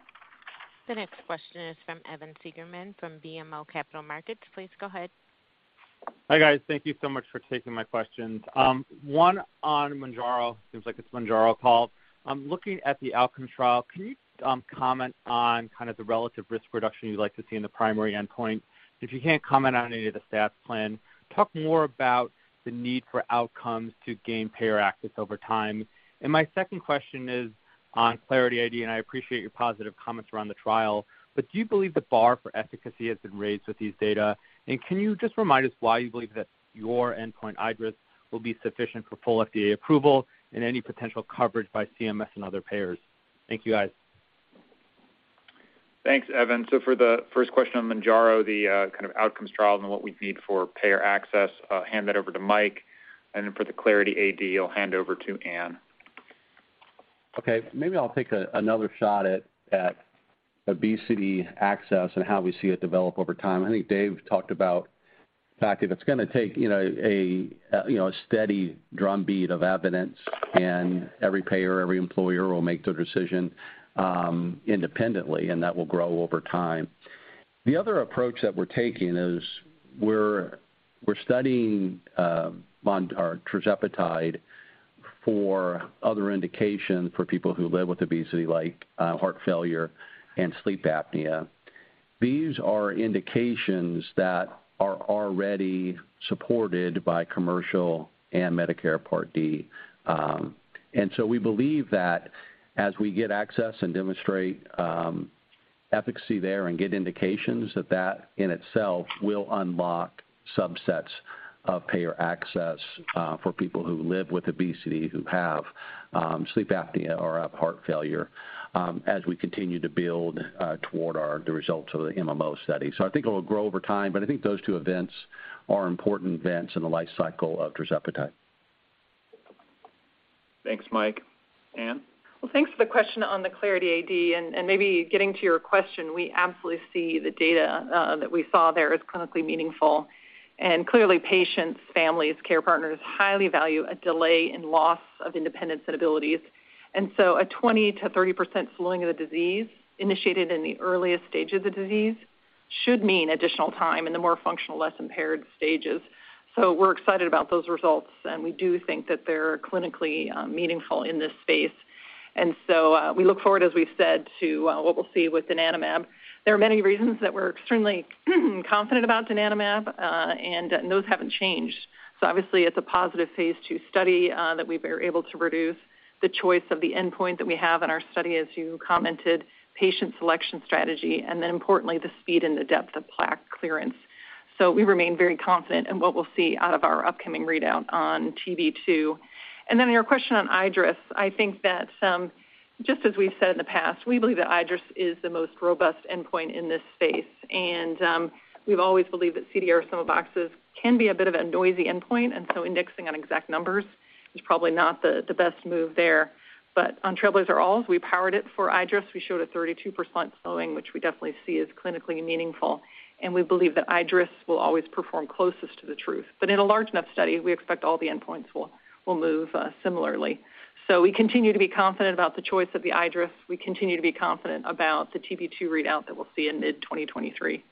The next question is from Evan Seigerman from BMO Capital Markets. Please go ahead. Hi, guys. Thank you so much for taking my questions. One on Mounjaro. Seems like it's Mounjaro called. Looking at the outcome trial, can you comment on kind of the relative risk reduction you'd like to see in the primary endpoint? If you can't comment on any of the stats plan, talk more about the need for outcomes to gain payer access over time. My second question is on Clarity AD, and I appreciate your positive comments around the trial, but do you believe the bar for efficacy has been raised with these data? Can you just remind us why you believe that your endpoint iADRS will be sufficient for full FDA approval and any potential coverage by CMS and other payers? Thank you, guys. Thanks, Evan. For the first question on Mounjaro, the kind of outcomes trials and what we'd need for payer access, I'll hand that over to Mike. Then for the Clarity AD, I'll hand over to Anne. Okay. Maybe I'll take another shot at obesity access and how we see it develop over time. I think Dave talked about the fact that it's gonna take a steady drumbeat of evidence and every payer, every employer will make their decision independently, and that will grow over time. The other approach that we're taking is we're studying Mounjaro or tirzepatide for other indications for people who live with obesity like heart failure and sleep apnea. These are indications that are already supported by commercial and Medicare Part D. We believe that as we get access and demonstrate efficacy there and get indications that that in itself will unlock subsets of payer access for people who live with obesity, who have sleep apnea or have heart failure, as we continue to build toward the results of the MMO study. I think it will grow over time, but I think those two events are important events in the life cycle of tirzepatide. Thanks, Mike. Anne? Well, thanks for the question on the Clarity AD. Maybe getting to your question, we absolutely see the data that we saw there as clinically meaningful. Clearly patients, families, care partners highly value a delay in loss of independence and abilities. A 20%-30% slowing of the disease initiated in the earliest stage of the disease should mean additional time in the more functional, less impaired stages. We're excited about those results, and we do think that they're clinically meaningful in this space. We look forward, as we've said, to what we'll see with donanemab. There are many reasons that we're extremely confident about donanemab, and those haven't changed. Obviously it's a positive phase II study that we've been able to reduce the choice of the endpoint that we have in our study, as you commented, patient selection strategy, and then importantly, the speed and the depth of plaque clearance. We remain very confident in what we'll see out of our upcoming readout on TB-2. Your question on iADRS. I think that just as we've said in the past, we believe that iADRS is the most robust endpoint in this space. We've always believed that CDR-Sum of Boxes can be a bit of a noisy endpoint, and so indexing on exact numbers is probably not the best move there. On TRAILBLAZER-ALZ, we powered it for iADRS. We showed a 32% slowing, which we definitely see as clinically meaningful, and we believe that iADRS will always perform closest to the truth. In a large enough study, we expect all the endpoints will move similarly. We continue to be confident about the choice of the iADRS. We continue to be confident about the TB-2 readout that we'll see in mid-2023. Okay.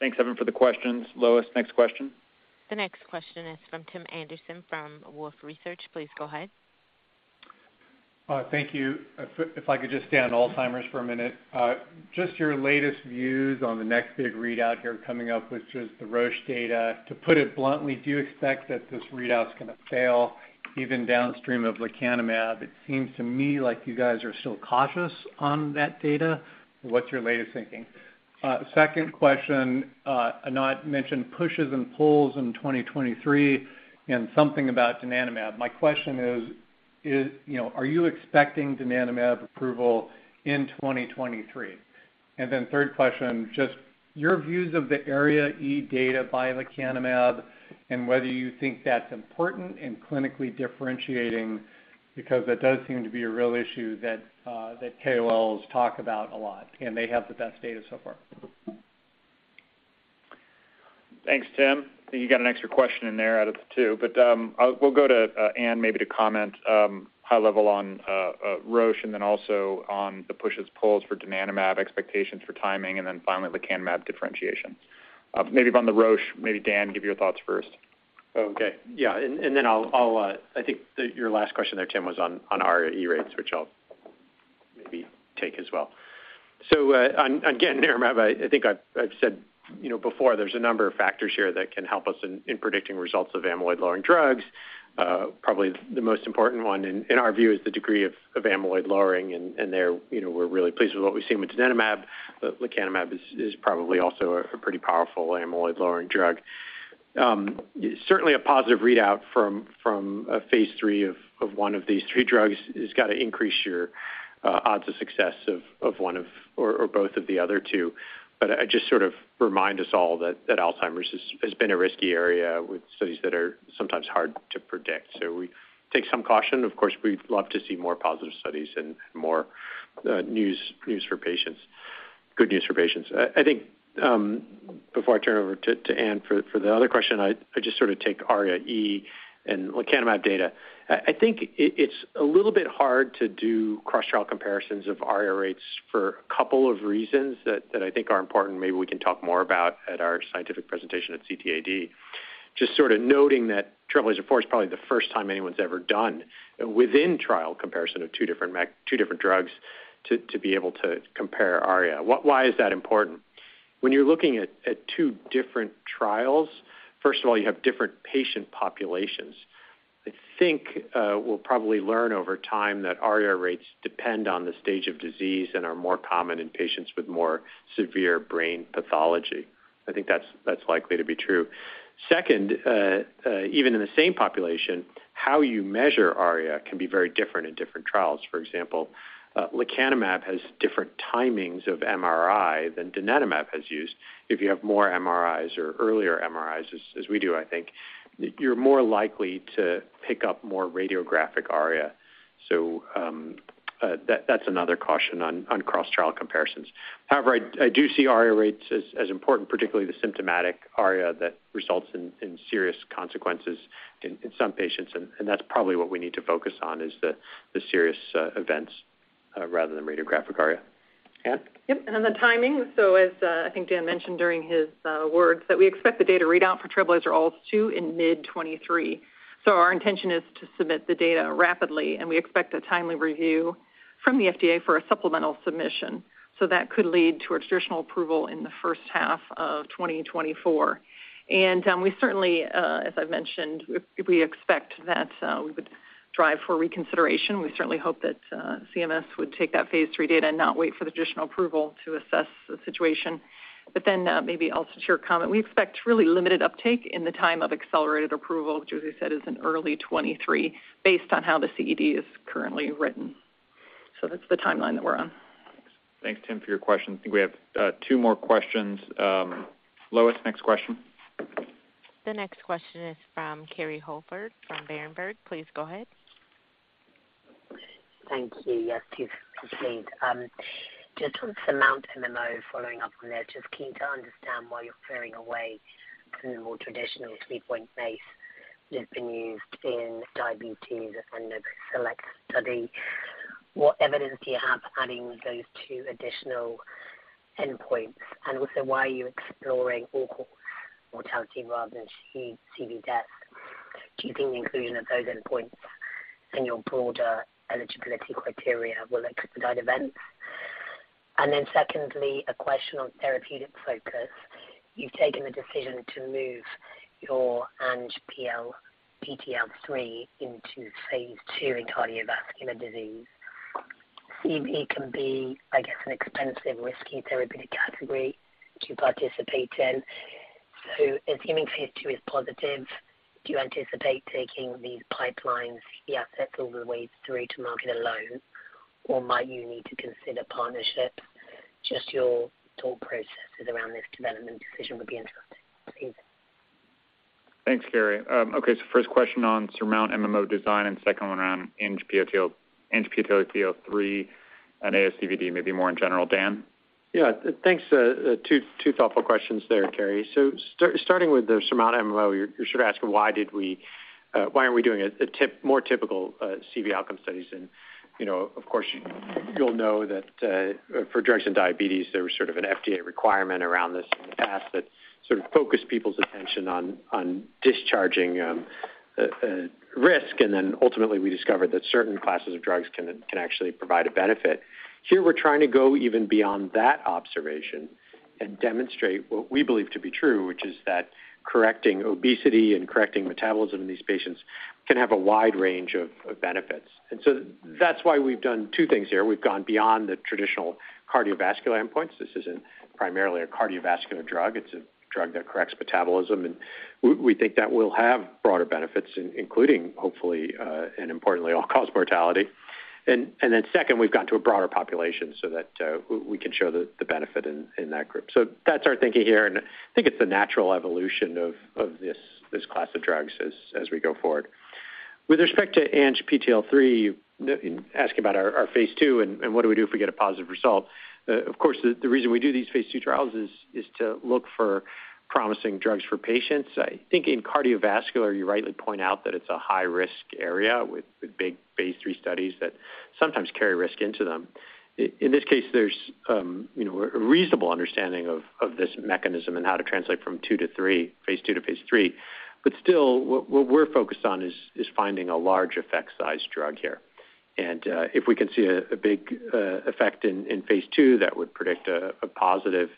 Thanks, Evan, for the questions. Lois, next question. The next question is from Tim Anderson from Wolfe Research. Please go ahead. Thank you. If I could just stay on alzheimer's for a minute. Just your latest views on the next big readout here coming up, which is the Roche data. To put it bluntly, do you expect that this readout's gonna fail even downstream of lecanemab? It seems to me like you guys are still cautious on that data. What's your latest thinking? Second question. Anat mentioned pushes and pulls in 2023 and something about donanemab. My question is, you know, are you expecting donanemab approval in 2023? Then third question, just your views of the ARIA-E data by lecanemab and whether you think that's important in clinically differentiating, because that does seem to be a real issue that KOLs talk about a lot, and they have the best data so far. Thanks, Tim. I think you got an extra question in there out of the two. We'll go to Anne maybe to comment high level on Roche and then also on the pushes, pulls for donanemab, expectations for timing, and then finally lecanemab differentiation. Maybe on the Roche, maybe Dan, give your thoughts first. I think your last question there, Tim, was on ARIA-E rates, which I'll maybe take as well. Again, I think I've said, you know, before there's a number of factors here that can help us in predicting results of amyloid-lowering drugs. Probably the most important one in our view is the degree of amyloid lowering. You know, we're really pleased with what we've seen with donanemab. Lecanemab is probably also a pretty powerful amyloid-lowering drug. Certainly a positive readout from a phase III of one of these three drugs has gotta increase your odds of success of one of, or both of the other two. I just sort of remind us all that alzheimer's has been a risky area with studies that are sometimes hard to predict. We take some caution. Of course, we'd love to see more positive studies and more news for patients, good news for patients. I think before I turn it over to Anne for the other question, I just sort of take ARIA-E and lecanemab data. I think it's a little bit hard to do cross-trial comparisons of ARIA rates for a couple of reasons that I think are important, maybe we can talk more about at our scientific presentation at CTAD. Just sort of noting that TRAILBLAZER-ALZ 4 is probably the first time anyone's ever done a within-trial comparison of two different drugs to be able to compare ARIA. Why is that important? When you're looking at two different trials, first of all, you have different patient populations. I think we'll probably learn over time that ARIA rates depend on the stage of disease and are more common in patients with more severe brain pathology. I think that's likely to be true. Second, even in the same population, how you measure ARIA can be very different in different trials. For example, lecanemab has different timings of MRI than donanemab has used. If you have more MRIs or earlier MRIs, as we do, I think you're more likely to pick up more radiographic ARIA. That's another caution on cross-trial comparisons. However, I do see ARIA rates as important, particularly the symptomatic ARIA that results in serious consequences in some patients. That's probably what we need to focus on, is the serious events rather than radiographic ARIA. Anne? Yep. I think Dan mentioned during his words that we expect the data readout for TRAILBLAZER-ALZ 2 in mid-2023. Our intention is to submit the data rapidly, and we expect a timely review from the FDA for a supplemental submission. That could lead to a traditional approval in the first half of 2024. We certainly, as I've mentioned, if we expect that, we would drive for reconsideration. We certainly hope that CMS would take that phase III data and not wait for the traditional approval to assess the situation. Maybe I'll share a comment. We expect really limited uptake in the time of accelerated approval, which, as I said, is in early 2023 based on how the CED is currently written. That's the timeline that we're on. Thanks, Tim, for your question. I think we have two more questions. Lois, next question. The next question is from Kerry Holford from Berenberg. Please go ahead. Thank you. Yes, please. Just on SURMOUNT-MMO, following up on there, just keen to understand why you're veering away from the more traditional three-point MACE that's been used in diabetes and the SELECT study. What evidence do you have adding those two additional endpoints? Also why are you exploring all-cause mortality rather than CV death? Do you think the inclusion of those endpoints in your broader eligibility criteria will expedite events? Then secondly, a question on therapeutic focus. You've taken the decision to move your ANGPTL3 into phase two in cardiovascular disease. CV can be, I guess, an expensive, risky therapeutic category to participate in. So assuming phase two is positive, do you anticipate taking these pipelines, the assets, all the way through to market alone, or might you need to consider partnership? Just your thought processes around this development decision would be interesting. Thanks. Thanks, Kerry. First question on SURMOUNT-MMO design and second one around ANGPTL3 and ASCVD, maybe more in general. Dan? Yeah. Thanks. Two thoughtful questions there, Kerry. Starting with the SURMOUNT-MMO, you're sort of asking, why aren't we doing a more typical CV outcome studies? You know, of course, you'll know that for drugs and diabetes, there was sort of an FDA requirement around this in the past that sort of focused people's attention on discharging risk. Ultimately, we discovered that certain classes of drugs can actually provide a benefit. Here, we're trying to go even beyond that observation and demonstrate what we believe to be true, which is that correcting obesity and correcting metabolism in these patients can have a wide range of benefits. That's why we've done two things here. We've gone beyond the traditional cardiovascular endpoints. This isn't primarily a cardiovascular drug. It's a drug that corrects metabolism, and we think that we'll have broader benefits, including, hopefully, and importantly, all-cause mortality. Then second, we've gone to a broader population so that we can show the benefit in that group. That's our thinking here, and I think it's the natural evolution of this class of drugs as we go forward. With respect to ANGPTL3, you ask about our phase II and what do we do if we get a positive result. Of course, the reason we do these phase II trials is to look for promising drugs for patients. I think in cardiovascular, you rightly point out that it's a high-risk area with big phase III studies that sometimes carry risk into them. In this case, there's, you know, a reasonable understanding of this mechanism and how to translate from 2 to 3, phase II to phase III. Still, what we're focused on is finding a large effect size drug here. If we can see a big effect in phase II that would predict a positive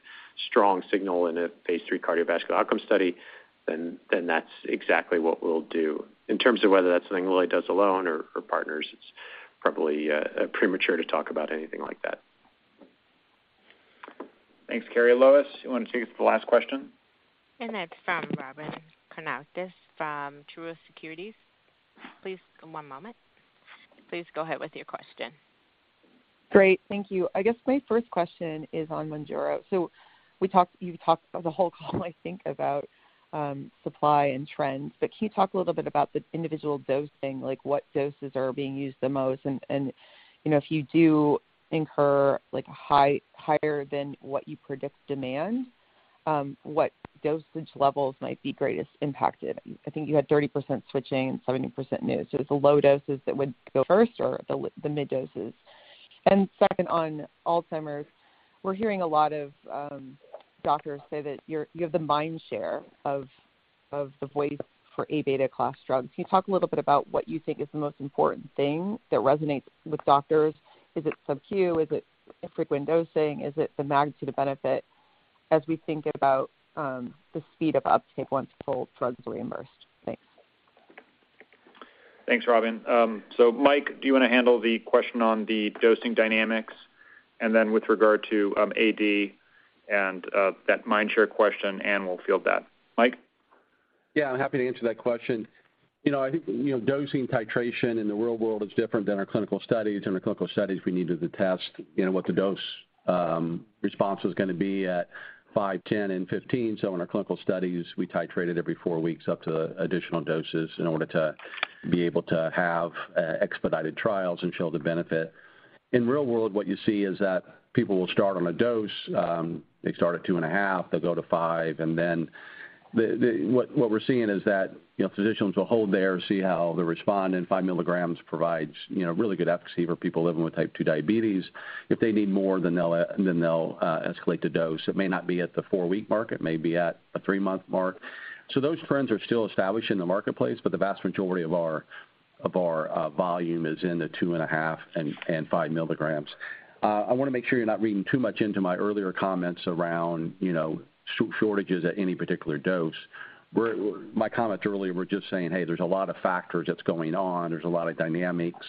strong signal in a phase III cardiovascular outcome study, then that's exactly what we'll do. In terms of whether that's something Lilly does alone or partners, it's probably premature to talk about anything like that. Thanks, Kerry. Lois, you wanna take the last question? That's from Robyn Karnauskas from Truist Securities. Please, one moment. Please go ahead with your question. Great. Thank you. I guess my first question is on Mounjaro. So we talked, you talked the whole call, I think, about supply and trends, but can you talk a little bit about the individual dosing, like what doses are being used the most? And you know, if you do incur like a higher than what you predict demand, what dosage levels might be greatest impacted? I think you had 30% switching and 70% new. So is the low doses that would go first or the mid doses? And second, on alzheimer's, we're hearing a lot of doctors say that you have the mind share of the voice for A-beta class drugs. Can you talk a little bit about what you think is the most important thing that resonates with doctors? Is it sub-Q? Is it frequent dosing? Is it the magnitude of benefit as we think about, the speed of uptake once the whole drug is reimbursed? Thanks. Thanks, Robyn. Mike, do you wanna handle the question on the dosing dynamics? With regard to AD and that mind share question, Anne will field that. Mike? Yeah, I'm happy to answer that question. You know, I think, you know, dosing titration in the real world is different than our clinical studies. In our clinical studies, we needed to test, you know, what the dose response was gonna be at five, 10, and 15. In our clinical studies, we titrated every four weeks up to additional doses in order to be able to have expedited trials and show the benefit. In real world, what you see is that people will start on a dose. They start at 2.5, they'll go to 5, and then what we're seeing is that, you know, physicians will hold there, see how the response in 5 mg provides, you know, really good efficacy for people living with type 2 diabetes. If they need more, then they'll escalate the dose. It may not be at the four-week mark, it may be at a three-month mark. Those trends are still establishing the marketplace, but the vast majority of our volume is in the 2.5 and 5 mg. I wanna make sure you're not reading too much into my earlier comments around, you know, shortages at any particular dose. My comments earlier were just saying, "Hey, there's a lot of factors that's going on. There's a lot of dynamics.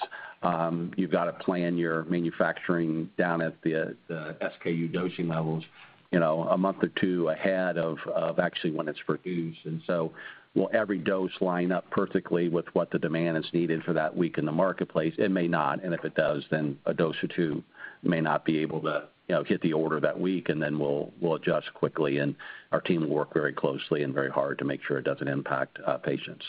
You've gotta plan your manufacturing down at the SKU dosing levels, you know, a month or two ahead of actually when it's for use." Will every dose line up perfectly with what the demand is needed for that week in the marketplace? It may not. If it does, then a dose or two may not be able to, you know, hit the order that week and then we'll adjust quickly, and our team will work very closely and very hard to make sure it doesn't impact patients.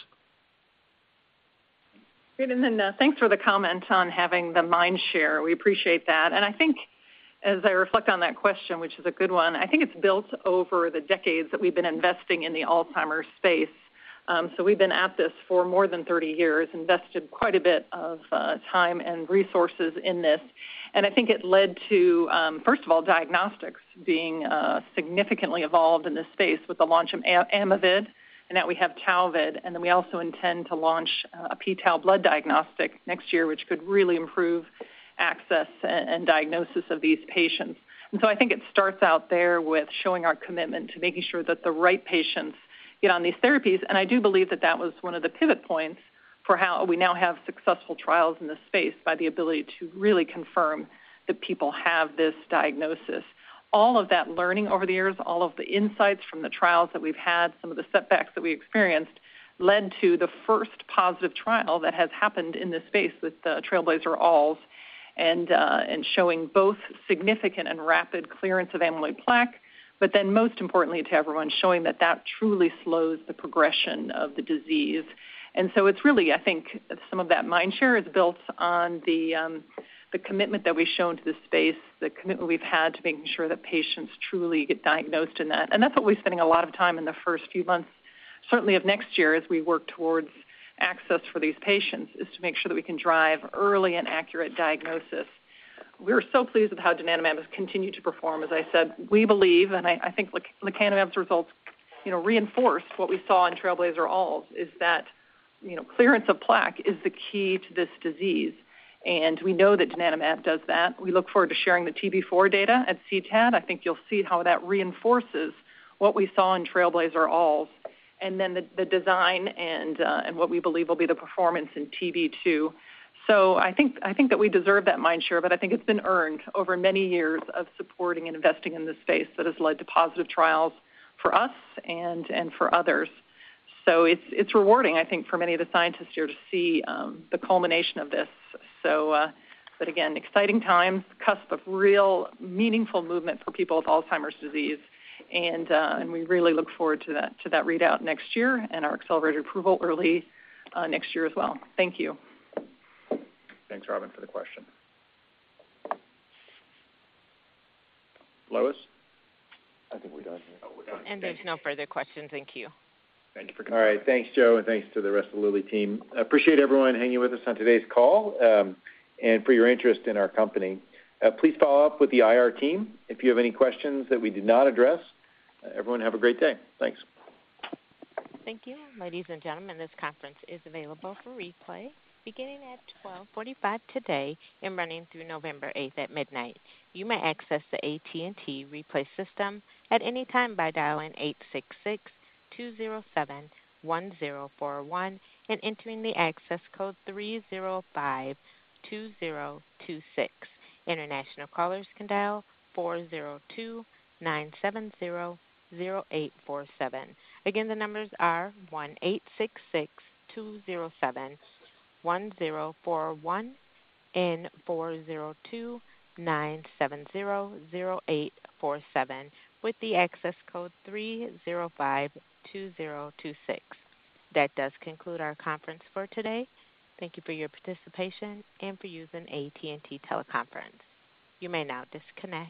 Great. Thanks for the comment on having the mind share. We appreciate that. I think as I reflect on that question, which is a good one, I think it's built over the decades that we've been investing in the alzheimer's space. We've been at this for more than 30 years, invested quite a bit of time and resources in this. I think it led to first of all, diagnostics being significantly evolved in this space with the launch of Amyvid and now we have Tauvid. We also intend to launch a p-tau blood diagnostic next year, which could really improve access and diagnosis of these patients. I think it starts out there with showing our commitment to making sure that the right patients get on these therapies. I do believe that was one of the pivot points for how we now have successful trials in this space by the ability to really confirm that people have this diagnosis. All of that learning over the years, all of the insights from the trials that we've had, some of the setbacks that we experienced led to the first positive trial that has happened in this space with TRAILBLAZER-ALZ, showing both significant and rapid clearance of amyloid plaque, but then most importantly to everyone, showing that truly slows the progression of the disease. It's really, I think some of that mind share is built on the commitment that we've shown to this space, the commitment we've had to making sure that patients truly get diagnosed in that. That's what we're spending a lot of time in the first few months, certainly of next year as we work towards access for these patients, is to make sure that we can drive early and accurate diagnosis. We're so pleased with how donanemab has continued to perform. As I said, we believe, and I think lecanemab's results, you know, reinforce what we saw in TRAILBLAZER-ALZ, is that, you know, clearance of plaque is the key to this disease, and we know that donanemab does that. We look forward to sharing the TB-4 data at CTAD. I think you'll see how that reinforces what we saw in TRAILBLAZER-ALZ and then the design and what we believe will be the performance in TB-2. I think that we deserve that mind share, but I think it's been earned over many years of supporting and investing in this space that has led to positive trials for us and for others. It's rewarding, I think, for many of the scientists here to see the culmination of this. But again, exciting times, cusp of real meaningful movement for people with alzheimer's disease and we really look forward to that readout next year and our accelerated approval early next year as well. Thank you. Thanks, Robyn, for the question. Lois? I think we're done here. Oh, we're done. There's no further questions. Thank you. Thank you for. All right. Thanks, Joe, and thanks to the rest of the Lilly team. Appreciate everyone hanging with us on today's call, and for your interest in our company. Please follow up with the IR team if you have any questions that we did not address. Everyone, have a great day. Thanks. Thank you. Ladies and gentlemen, this conference is available for replay beginning at 12:45 today and running through November eighth at midnight. You may access the AT&T replay system at any time by dialing 1-866-207-1041 and entering the access code 3052026. International callers can dial 402-970-0847. Again, the numbers are 1-866-207-1041 and 402-970-0847 with the access code 3052026. That does conclude our conference for today. Thank you for your participation and for using AT&T Teleconference. You may now disconnect.